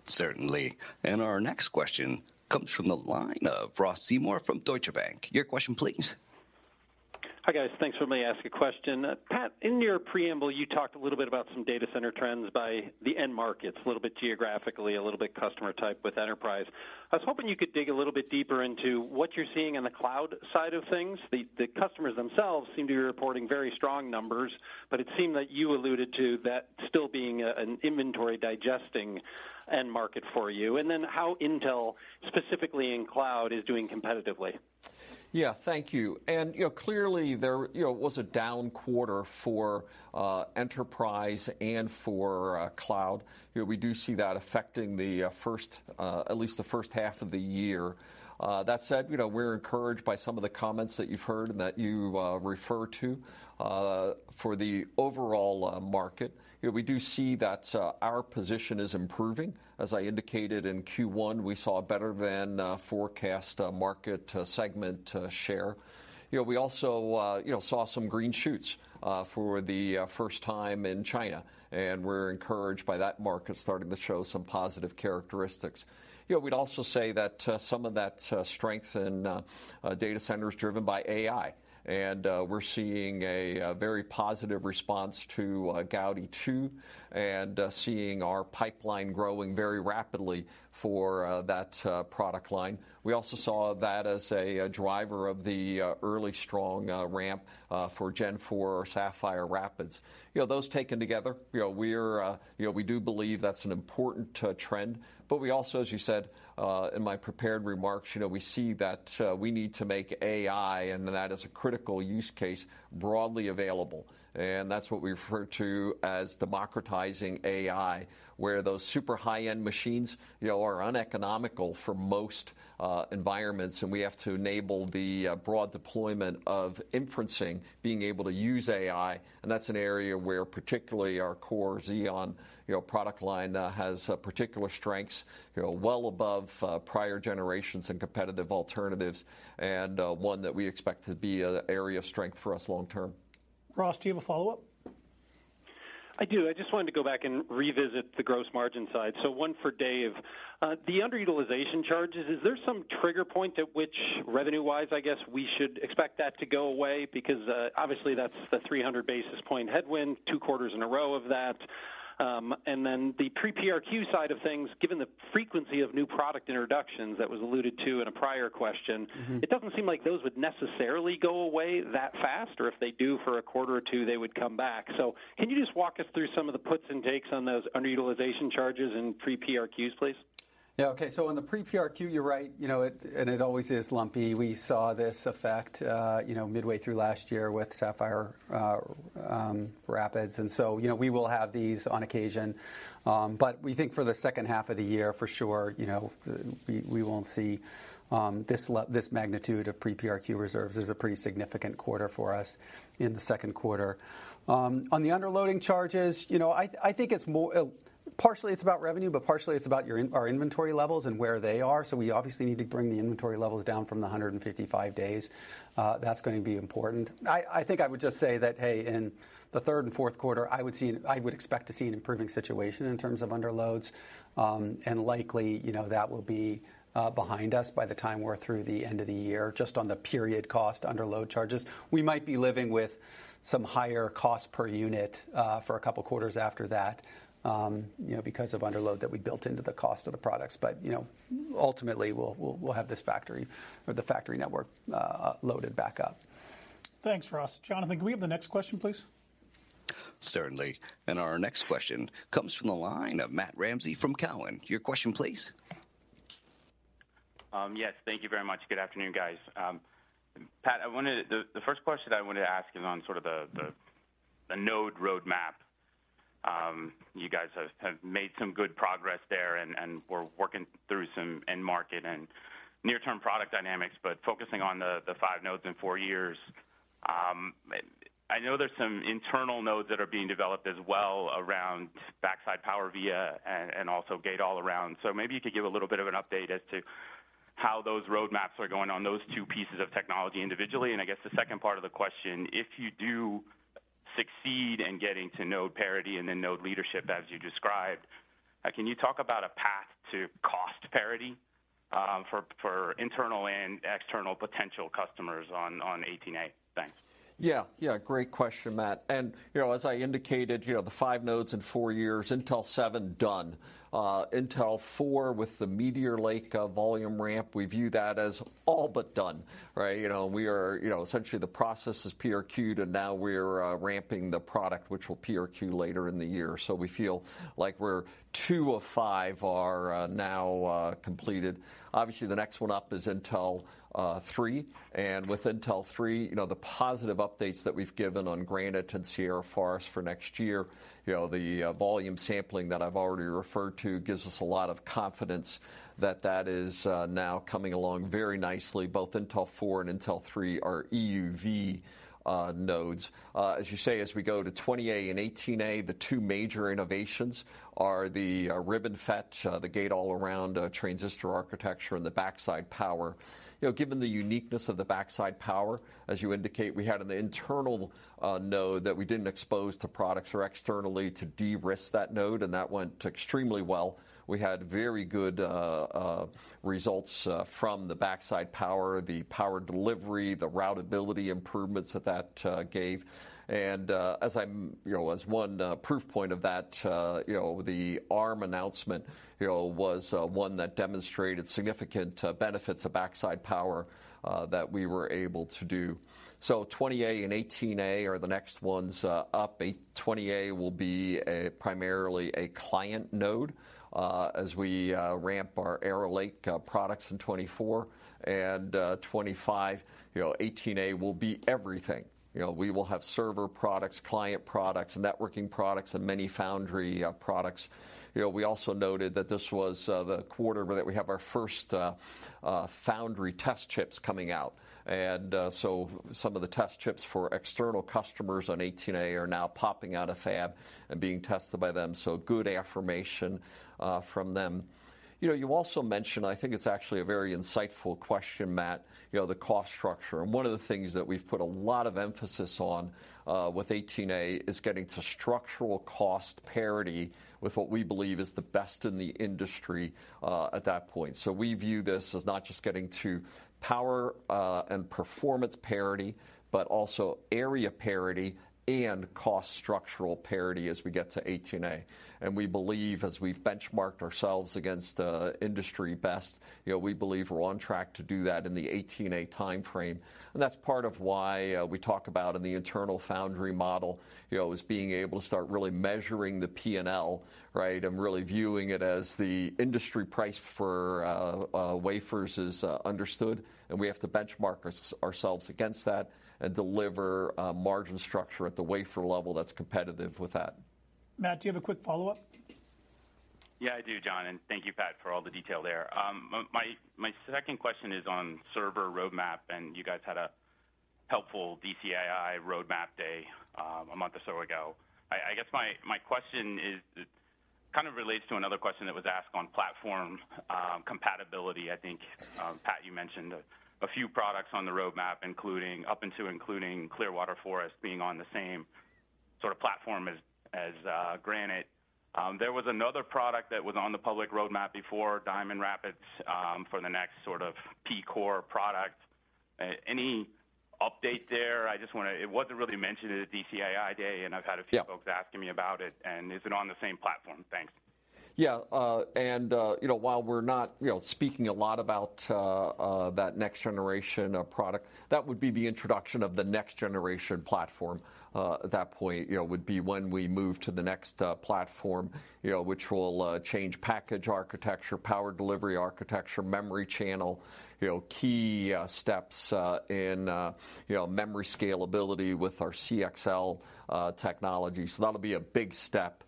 Certainly. Our next question comes from the line of Ross Seymore from Deutsche Bank. Your question please. Hi, guys. Thanks for letting me ask a question. Pat, in your preamble, you talked a little bit about some data center trends by the end markets, a little bit geographically, a little bit customer type with enterprise. I was hoping you could dig a little bit deeper into what you're seeing in the cloud side of things. The customers themselves seem to be reporting very strong numbers, but it seemed that you alluded to that still being an inventory digesting end market for you, and then how Intel specifically in cloud is doing competitively. Yeah. Thank you. You know, clearly there, you know, was a down quarter for enterprise and for cloud. You know, we do see that affecting the first, at least the first half of the year. That said, you know, we're encouraged by some of the comments that you've heard and that you refer to for the overall market. You know, we do see that our position is improving. As I indicated in Q1, we saw better than forecast market segment share. You know, we also, you know, saw some green shoots for the first time in China, and we're encouraged by that market starting to show some positive characteristics. You know, we'd also say that some of that strength in data center is driven by AI, and we're seeing a very positive response to Gaudi 2 and seeing our pipeline growing very rapidly for that product line. We also saw that as a driver of the early strong ramp for Gen 4 or Sapphire Rapids. You know, those taken together, you know, we're, you know, we do believe that's an important trend. We also, as you said, in my prepared remarks, you know, we see that we need to make AI and that as a critical use case broadly available, and that's what we refer to as democratizing AI, where those super high-end machines, you know, are uneconomical for most environments, and we have to enable the broad deployment of inferencing being able to use AI. That's an area where particularly our core Xeon, you know, product line has particular strengths, you know, well above prior generations and competitive alternatives and one that we expect to be an area of strength for us long term. Ross, do you have a follow-up? I do. I just wanted to go back and revisit the gross margin side. One for Dave. The underutilization charges, is there some trigger point at which revenue-wise, I guess we should expect that to go away? Because, obviously that's the 300 basis point headwind, two quarters in a row of that. Then the pre-PRQ side of things, given the frequency of new product introductions that was alluded to in a prior question- Mm-hmm. It doesn't seem like those would necessarily go away that fast or if they do for a quarter or two, they would come back. Can you just walk us through some of the puts and takes on those underutilization charges and pre-PRQs, please? Yeah. Okay. On the pre-PRQ, you're right, you know it and it always is lumpy. We saw this effect, you know, midway through last year with Sapphire Rapids. We will have these on occasion. We think for the second half of the year, for sure, you know, we won't see this magnitude of pre-PRQ reserves. This is a pretty significant quarter for us in the second quarter. On the underloading charges, you know, I think it's partially about revenue, but partially it's about our inventory levels and where they are. We obviously need to bring the inventory levels down from the 155 days. That's gonna be important. I think I would just say that, hey, in the third and fourth quarter, I would expect to see an improving situation in terms of underloads. Likely, you know, that will be behind us by the time we're through the end of the year, just on the period cost underload charges. We might be living with some higher cost per unit, for a couple quarters after that, you know, because of underload that we built into the cost of the products. You know, ultimately, we'll have this factory or the factory network, loaded back up. Thanks, Ross. Jonathan, can we have the next question, please? Certainly. Our next question comes from the line of Matt Ramsay from Cowen. Your question please. Yes, thank you very much. Good afternoon, guys. Pat, the first question I wanted to ask is on sort of the node roadmap. You guys have made some good progress there, and we're working through some end market and near-term product dynamics, but focusing on the five nodes in four years. I know there's some internal nodes that are being developed as well around backside power delivery and also gate-all-around. Maybe you could give a little bit of an update as to how those roadmaps are going on those two pieces of technology individually. I guess the second part of the question, if you do succeed in getting to node parity and then node leadership as you described, can you talk about a path to cost parity, for internal and external potential customers on 18A. Thanks. Yeah. Yeah, great question, Matt. As I indicated, you know, the five nodes in four years, Intel 7 done. Intel 4 with the Meteor Lake volume ramp, we view that as all but done, right? We are, you know, essentially the process is PRQ'd and now we're ramping the product which will PRQ later in the year. We feel like we're two of five are now completed. Obviously, the next one up is Intel 3. With Intel 3, you know, the positive updates that we've given on Granite and Sierra Forest for next year, you know, the volume sampling that I've already referred to gives us a lot of confidence that that is now coming along very nicely, both Intel 4 and Intel 3 are EUV nodes. As you say, as we go to Intel 20A and Intel 18A, the two major innovations are the RibbonFET, the gate-all-around transistor architecture, and the backside power. You know, given the uniqueness of the backside power, as you indicate, we had an internal node that we didn't expose to products or externally to de-risk that node. That went extremely well. We had very good results from the backside power, the power delivery, the routability improvements that that gave. As you know, as one proof point of that, you know, the Arm announcement, you know, was one that demonstrated significant benefits of backside power that we were able to do. Intel 20A and Intel 18A are the next ones up. 20A will be a primarily a client node as we ramp our Arrow Lake products in 2024. 2025, you know, 18A will be everything. You know, we will have server products, client products, networking products, and many foundry products. You know, we also noted that this was the quarter that we have our first foundry test chips coming out. Some of the test chips for external customers on 18A are now popping out of fab and being tested by them. Good affirmation from them. You know, you also mentioned, I think it's actually a very insightful question, Matt, you know, the cost structure. One of the things that we've put a lot of emphasis on, with 18A is getting to structural cost parity with what we believe is the best in the industry, at that point. We view this as not just getting to power, and performance parity, but also area parity and cost structural parity as we get to 18A. We believe as we've benchmarked ourselves against, industry best, you know, we believe we're on track to do that in the 18A timeframe. That's part of why, we talk about in the internal foundry model, you know, is being able to start really measuring the P&L, right? really viewing it as the industry price for wafers is understood, and we have to benchmark ourselves against that and deliver a margin structure at the wafer level that's competitive with that. Matt, do you have a quick follow-up? Yeah, I do, John. Thank you Pat, for all the detail there. My second question is on server roadmap, and you guys had a helpful DCAI roadmap day a month or so ago. I guess my question kind of relates to another question that was asked on platform compatibility. I think Pat, you mentioned a few products on the roadmap, including up and to including Clearwater Forest being on the same sort of platform as Granite. There was another product that was on the public roadmap before Diamond Rapids for the next sort of P-core product. Any update there? It wasn't really mentioned at DCAI day, and I've had a few- Yeah. Folks asking me about it. Is it on the same platform? Thanks. Yeah. While we're not speaking a lot about that next generation of product, that would be the introduction of the next generation platform. At that point, would be when we move to the next platform, which will change package architecture, power delivery architecture, memory channel. Key steps in memory scalability with our CXL technology. So that'll be a big step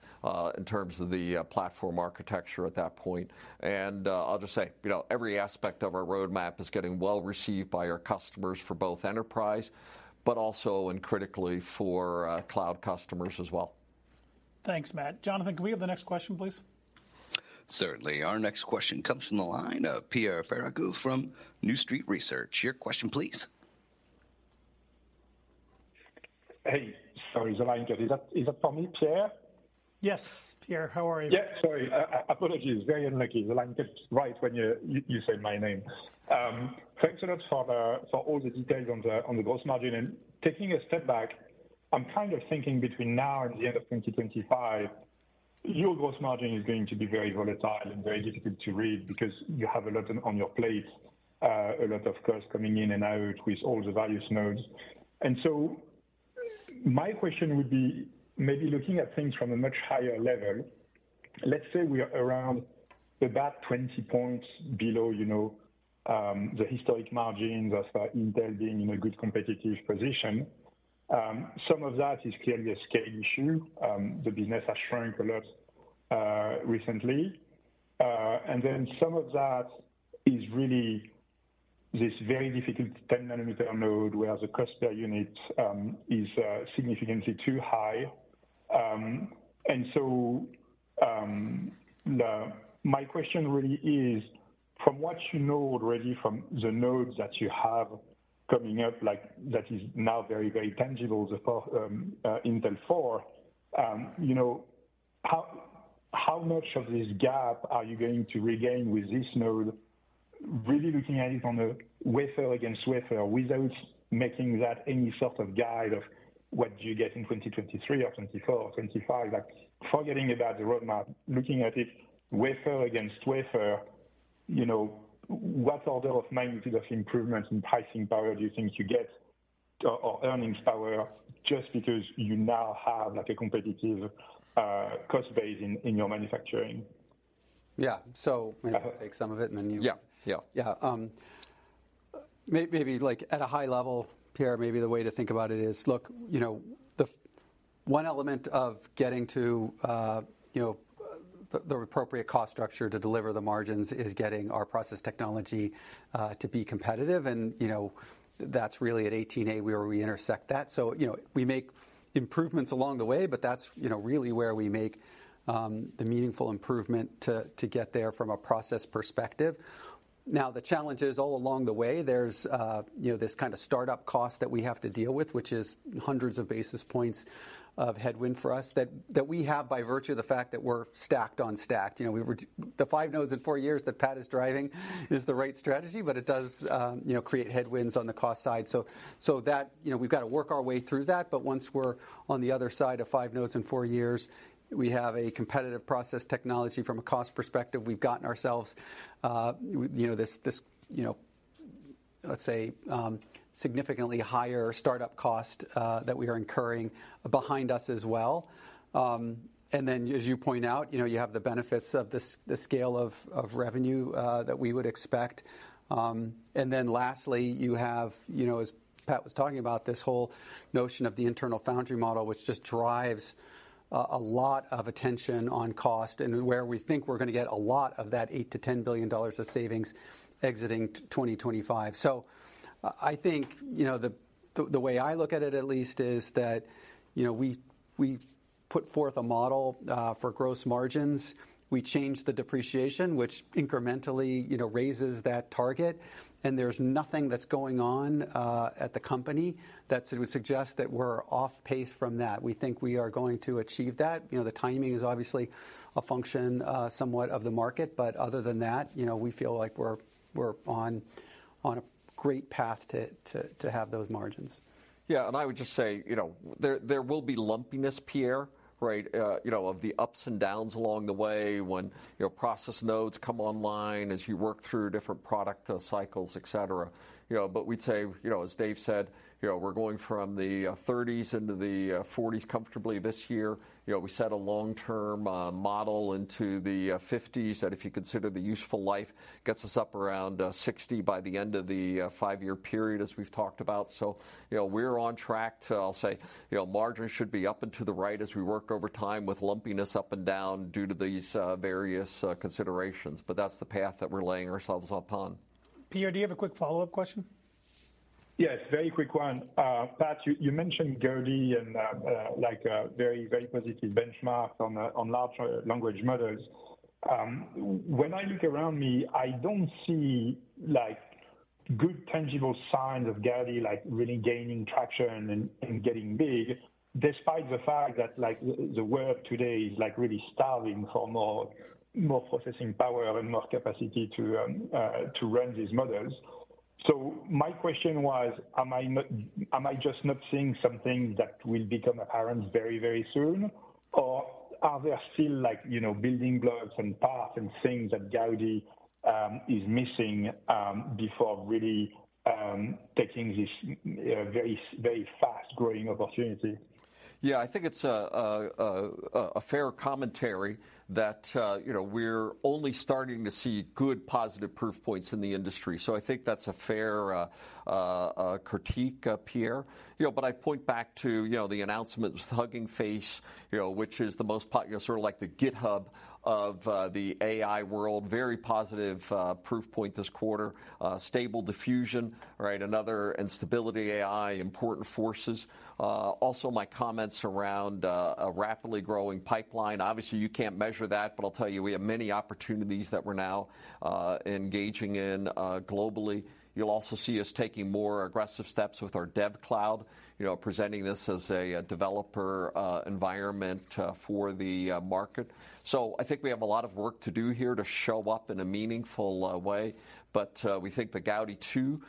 in terms of the platform architecture at that point. And I'll just say, every aspect of our roadmap is getting well received by our customers for both enterprise, but also and critically for cloud customers as well. Thanks, Matt. Jonathan, can we have the next question, please? Certainly. Our next question comes from the line of Pierre Ferragu from New Street Research. Your question please. Hey. Sorry, the line cut. Is that for me, Pierre? Yes, Pierre. How are you? Yeah, sorry. Apologies. Very unlucky. The line cuts right when you say my name. Thanks a lot for all the details on the gross margin. Taking a step back, I'm kind of thinking between now and the end of 2025, your gross margin is going to be very volatile and very difficult to read because you have a lot on your plate. A lot of costs coming in and out with all the various nodes. My question would be maybe looking at things from a much higher level, let's say we are around about 20 points below, you know, the historic margins as Intel being in a good competitive position. Some of that is clearly a scale issue. The business has shrunk a lot recently. Some of that is really this very difficult 10nm node where the cost per unit is significantly too high. My question really is, from what you know already from the nodes that you have coming up, like, that is now very, very tangible, Intel 4, you know, how much of this gap are you going to regain with this node? Really looking at it on a wafer against wafer without making that any sort of guide of what you get in 2023 or 2024 or 2025. Like forgetting about the roadmap, looking at it wafer against wafer, you know, what order of magnitude of improvement in pricing power do you think you get or earnings power just because you now have, like, a competitive cost base in your manufacturing? Yeah. maybe I'll take some of it and then. Yeah, yeah. Yeah. Maybe, like, at a high level, Pierre, one element of getting to, you know, the appropriate cost structure to deliver the margins is getting our process technology to be competitive. You know, that's really at 18A where we intersect that. You know, we make improvements along the way, but that's, you know, really where we make the meaningful improvement to get there from a process perspective. Now, the challenge is all along the way, there's, you know, this kind of startup cost that we have to deal with, which is hundreds of basis points of headwind for us that we have by virtue of the fact that we're stacked on stacked. You know, we were the five nodes in four years that Pat is driving is the right strategy, but it does, you know, create headwinds on the cost side. That, you know, we've got to work our way through that. Once we're on the other side of five nodes in four years, we have a competitive process technology from a cost perspective. We've gotten ourselves, you know, this, you know, let's say, significantly higher startup cost that we are incurring behind us as well. As you point out, you know, you have the benefits of the scale of revenue that we would expect. Lastly, you have, you know, as Pat was talking about, this whole notion of the internal foundry model, which just drives a lot of attention on cost and where we think we're gonna get a lot of that $8 billion-$10 billion of savings exiting 2025. I think, you know, the way I look at it at least is that, you know, we put forth a model for gross margins. We change the depreciation, which incrementally, you know, raises that target. There's nothing that's going on at the company that would suggest that we're off pace from that. We think we are going to achieve that. You know, the timing is obviously a function, somewhat of the market, but other than that, you know, we feel like we're on a great path to have those margins. Yeah. I would just say, you know, there will be lumpiness, Pierre, right? You know, of the ups and downs along the way when, you know, process nodes come online, as you work through different product cycles, et cetera. You know, we'd say, you know, as Dave said, you know, we're going from the 30s% into the 40s% comfortably this year. You know, we set a long-term model into the 50s% that if you consider the useful life, gets us up around 60% by the end of the five-year period as we've talked about. You know, we're on track to, I'll say, you know, margins should be up and to the right as we work over time with lumpiness up and down due to these various considerations. That's the path that we're laying ourselves upon. Pierre, do you have a quick follow-up question? Yes, very quick one. Pat, you mentioned Gaudi and, like a very positive benchmark on large language models. When I look around me, I don't see, like, good tangible signs of Gaudi, like, really gaining traction and getting big, despite the fact that, like, the world today is, like, really starving for more processing power and more capacity to run these models. My question was, am I just not seeing something that will become apparent very, very soon? Or are there still, like, you know, building blocks and paths and things that Gaudi is missing before really taking this very fast-growing opportunity? Yeah. I think it's a fair commentary that, you know, we're only starting to see good positive proof points in the industry. I think that's a fair critique, Pierre. You know, but I point back to, you know, the announcement with Hugging Face, you know, which is the most, you know, sort of like the GitHub of the AI world. Very positive proof point this quarter. Stable Diffusion, right? Another in Stability AI, important forces. Also my comments around a rapidly growing pipeline. Obviously, you can't measure that, but I'll tell you, we have many opportunities that we're now engaging in globally. You'll also see us taking more aggressive steps with our DevCloud, you know, presenting this as a developer environment for the market. I think we have a lot of work to do here to show up in a meaningful way. We think the Gaudi 2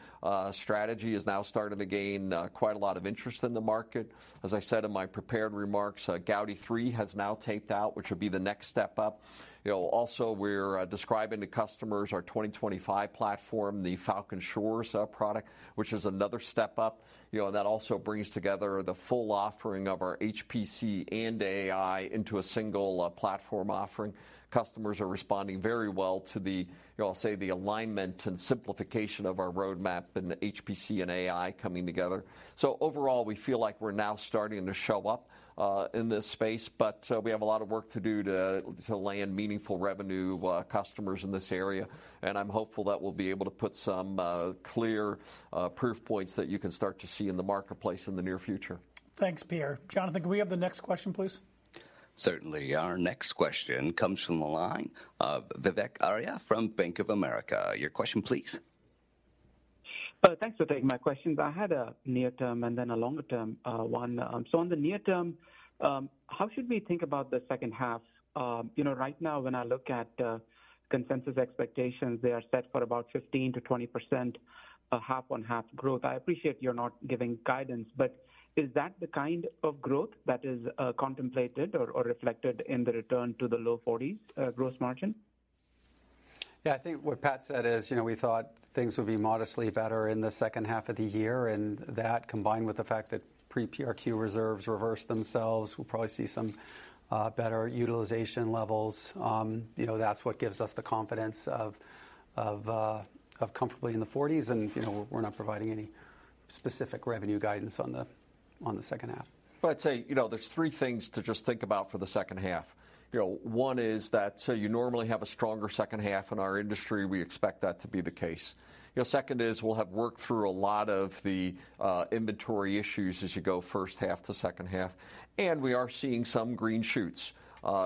strategy has now started to gain quite a lot of interest in the market. As I said in my prepared remarks, Gaudi 3 has now taped out, which will be the next step up. You know, also, we're describing to customers our 2025 platform, the Falcon Shores product, which is another step up. You know, that also brings together the full offering of our HPC and AI into a single platform offering. Customers are responding very well to the, you know, I'll say the alignment and simplification of our roadmap and the HPC and AI coming together. Overall, we feel like we're now starting to show up in this space, but we have a lot of work to do to land meaningful revenue, customers in this area. I'm hopeful that we'll be able to put some clear proof points that you can start to see in the marketplace in the near future. Thanks, Pierre. Jonathan, can we have the next question, please? Certainly. Our next question comes from the line of Vivek Arya from Bank of America. Your question, please. Thanks for taking my questions. I had a near-term and then a longer-term one. On the near term, how should we think about the second half? You know, right now when I look at consensus expectations, they are set for about 15%-20% half on half growth. I appreciate you're not giving guidance, but is that the kind of growth that is contemplated or reflected in the return to the low 40s gross margin? Yeah. I think what Pat said is, you know, we thought things would be modestly better in the second half of the year. That combined with the fact that pre-PRQ reserves reverse themselves, we'll probably see some better utilization levels. You know, that's what gives us the confidence of comfortably in the forties. You know, we're not providing any specific revenue guidance on the second half. I'd say, you know, there's three things to just think about for the second half. You know, one is that, so you normally have a stronger second half in our industry. We expect that to be the case. You know, second is we'll have worked through a lot of the inventory issues as you go first half to second half. We are seeing some green shoots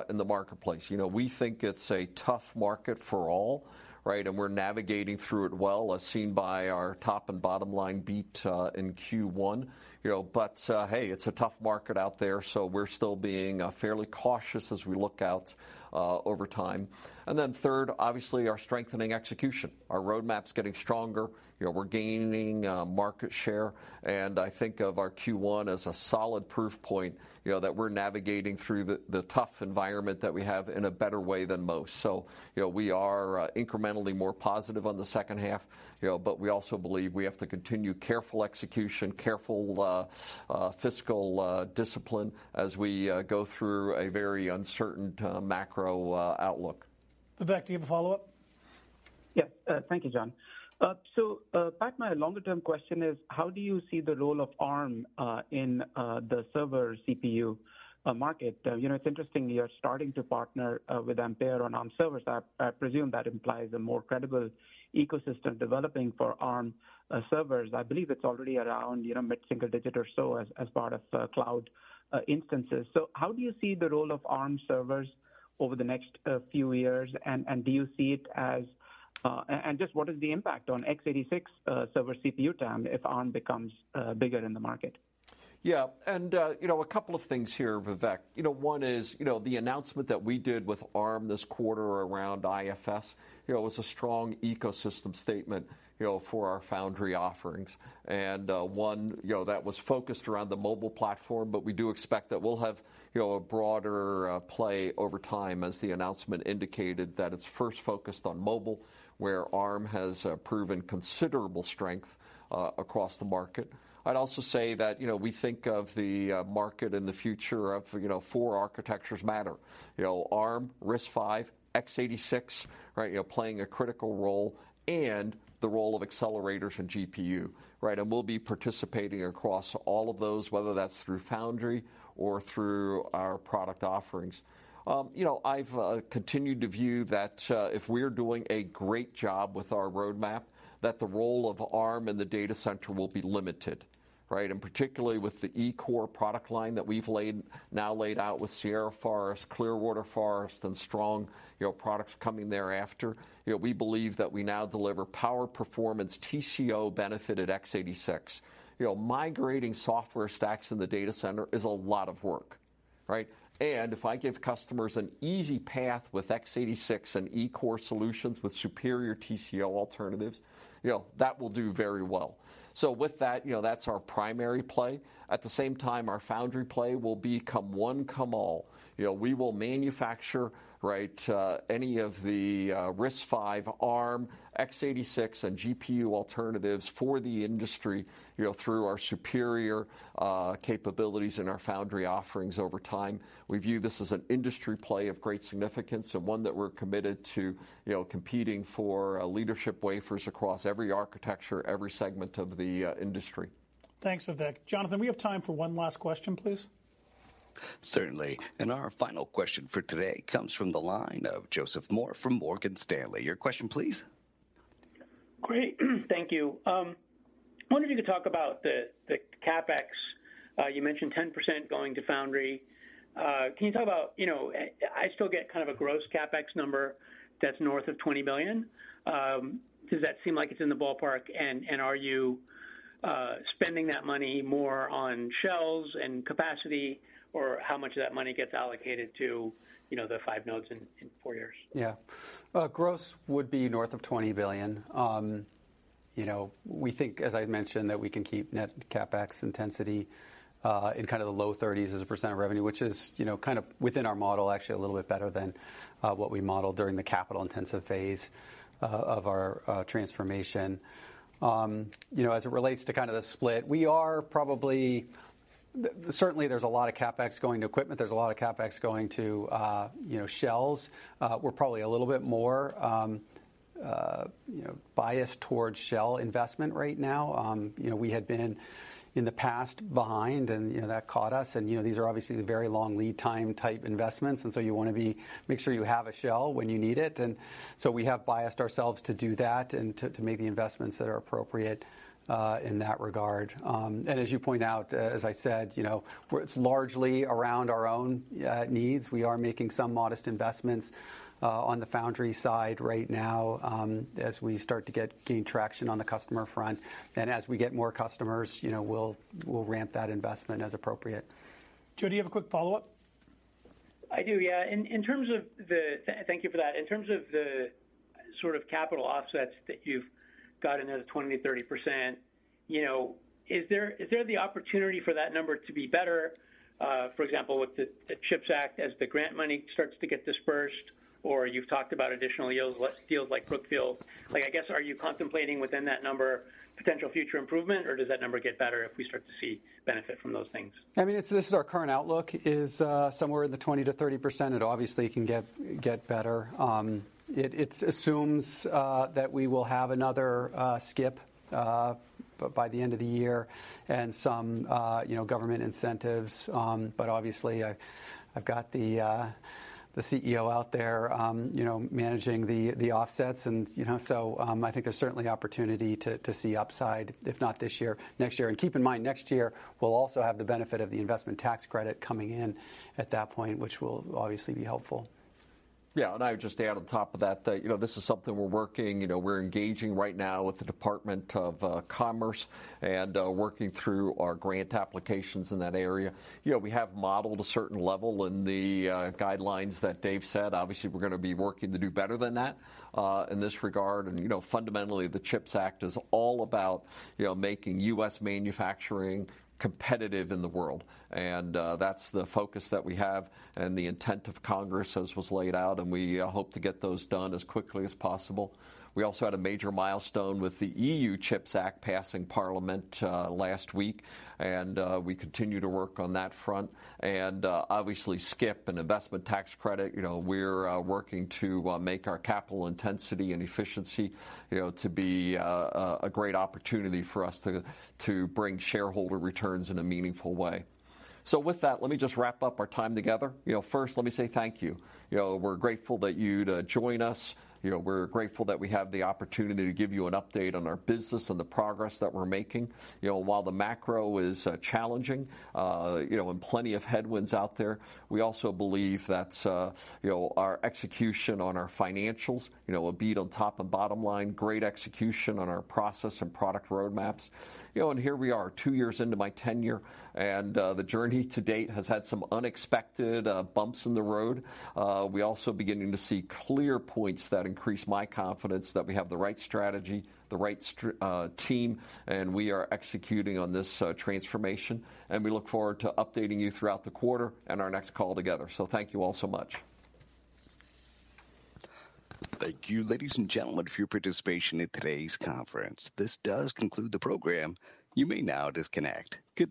in the marketplace. You know, we think it's a tough market for all, right? We're navigating through it well, as seen by our top and bottom line beat in Q1. You know, hey, it's a tough market out there, so we're still being fairly cautious as we look out over time. Then third, obviously our strengthening execution. Our roadmap's getting stronger. You know, we're gaining market share, and I think of our Q1 as a solid proof point, you know, that we're navigating through the tough environment that we have in a better way than most. You know, we are incrementally more positive on the second half, you know, but we also believe we have to continue careful execution, careful fiscal discipline as we go through a very uncertain macro outlook. Vivek, do you have a follow-up? Yeah. Thank you, John. Pat, my longer term question is: how do you see the role of Arm, in the server CPU, market? You know, it's interesting you're starting to partner, with Ampere on Arm servers. I presume that implies a more credible ecosystem developing for Arm, servers. I believe it's already around, you know, mid-single digit or so as part of, cloud, instances. How do you see the role of Arm servers over the next, few years, and do you see it as, just what is the impact on x86, server CPU TAM if Arm becomes, bigger in the market? You know, a couple of things here, Vivek. You know, one is, you know, the announcement that we did with Arm this quarter around IFS, you know, was a strong ecosystem statement, you know, for our foundry offerings. One, you know, that was focused around the mobile platform, but we do expect that we'll have, you know, a broader play over time as the announcement indicated that it's first focused on mobile, where Arm has proven considerable strength across the market. I'd also say that, you know, we think of the market and the future of, you know, four architectures matter. You know, Arm, RISC-V, x86, right? You know, playing a critical role and the role of accelerators in GPU, right? We'll be participating across all of those, whether that's through foundry or through our product offerings. I've continued to view that if we're doing a great job with our roadmap, that the role of Arm in the data center will be limited, right? Particularly with the E-core product line that we've now laid out with Sierra Forest, Clearwater Forest, and strong products coming thereafter. We believe that we now deliver power performance TCO benefit at x86. Migrating software stacks in the data center is a lot of work, right? If I give customers an easy path with x86 and E-core solutions with superior TCO alternatives, that will do very well. With that's our primary play. At the same time, our foundry play will become one, come all. You know, we will manufacture, right, any of the, RISC-V, Arm, x86, and GPU alternatives for the industry, you know, through our superior, capabilities and our foundry offerings over time. We view this as an industry play of great significance and one that we're committed to, you know, competing for, leadership wafers across every architecture, every segment of the, industry. Thanks, Vivek. Jonathan, we have time for one last question, please. Certainly. Our final question for today comes from the line of Joseph Moore from Morgan Stanley. Your question please. Great. Thank you. wondered if you could talk about the CapEx. You mentioned 10% going to foundry. Can you talk about, you know, I still get kind of a gross CapEx number that's north of $20 billion. Does that seem like it's in the ballpark, and are you spending that money more on shelves and capacity, or how much of that money gets allocated to, you know, the five nodes in four years? Yeah. Gross would be north of $20 billion. You know, we think, as I mentioned, that we can keep net CapEx intensity in kind of the low 30s as a % of revenue, which is, you know, kind of within our model, actually a little bit better than what we modeled during the capital intensive phase of our transformation. You know, as it relates to kind of the split, certainly there's a lot of CapEx going to equipment. There's a lot of CapEx going to, you know, shelves. We're probably a little bit more, you know, biased towards shell investment right now. you know, we had been, in the past, behind and, you know, that caught us and, you know, these are obviously the very long lead time type investments, you wanna be make sure you have a shell when you need it. We have biased ourselves to do that and to make the investments that are appropriate in that regard. As you point out, as I said, you know, it's largely around our own needs. We are making some modest investments on the foundry side right now, as we start to gain traction on the customer front. As we get more customers, you know, we'll ramp that investment as appropriate. Joe, do you have a quick follow-up? I do, yeah. In terms of the thank you for that. In terms of the sort of capital offsets that you've got in those 20%-30%, you know, is there the opportunity for that number to be better, for example, with the CHIPS Act as the grant money starts to get dispersed? You've talked about additional yields, like deals like Brookfield. Like, I guess, are you contemplating within that number potential future improvement, or does that number get better if we start to see benefit from those things? I mean, it's. This is our current outlook, is somewhere in the 20%-30%. It obviously can get better. It assumes that we will have another skip by the end of the year and some, you know, government incentives. Obviously, I've got the CEO out there, you know, managing the offsets and, you know. I think there's certainly opportunity to see upside, if not this year, next year. Keep in mind, next year, we'll also have the benefit of the investment tax credit coming in at that point, which will obviously be helpful. Yeah. I would just add on top of that that, you know, this is something we're working. You know, we're engaging right now with the Department of Commerce and working through our grant applications in that area. You know, we have modeled a certain level in the guidelines that Dave said. Obviously, we're gonna be working to do better than that in this regard. You know, fundamentally, the CHIPS Act is all about, you know, making U.S. manufacturing competitive in the world. That's the focus that we have and the intent of Congress as was laid out, and we hope to get those done as quickly as possible. We also had a major milestone with the European Chips Act passing parliament last week, and we continue to work on that front. Obviously, skip and investment tax credit. You know, we're working to make our capital intensity and efficiency, you know, to be a great opportunity for us to bring shareholder returns in a meaningful way. With that, let me just wrap up our time together. You know, first, let me say thank you. You know, we're grateful that you'd join us. You know, we're grateful that we have the opportunity to give you an update on our business and the progress that we're making. You know, while the macro is challenging, you know, and plenty of headwinds out there, we also believe that, you know, our execution on our financials, you know, a beat on top and bottom line, great execution on our process and product roadmaps. You know, here we are, two years into my tenure, and the journey to date has had some unexpected bumps in the road. We're also beginning to see clear points that increase my confidence that we have the right strategy, the right team, and we are executing on this transformation. We look forward to updating you throughout the quarter and our next call together. Thank you all so much. Thank you, ladies and gentlemen, for your participation in today's conference. This does conclude the program. You may now disconnect. Good day.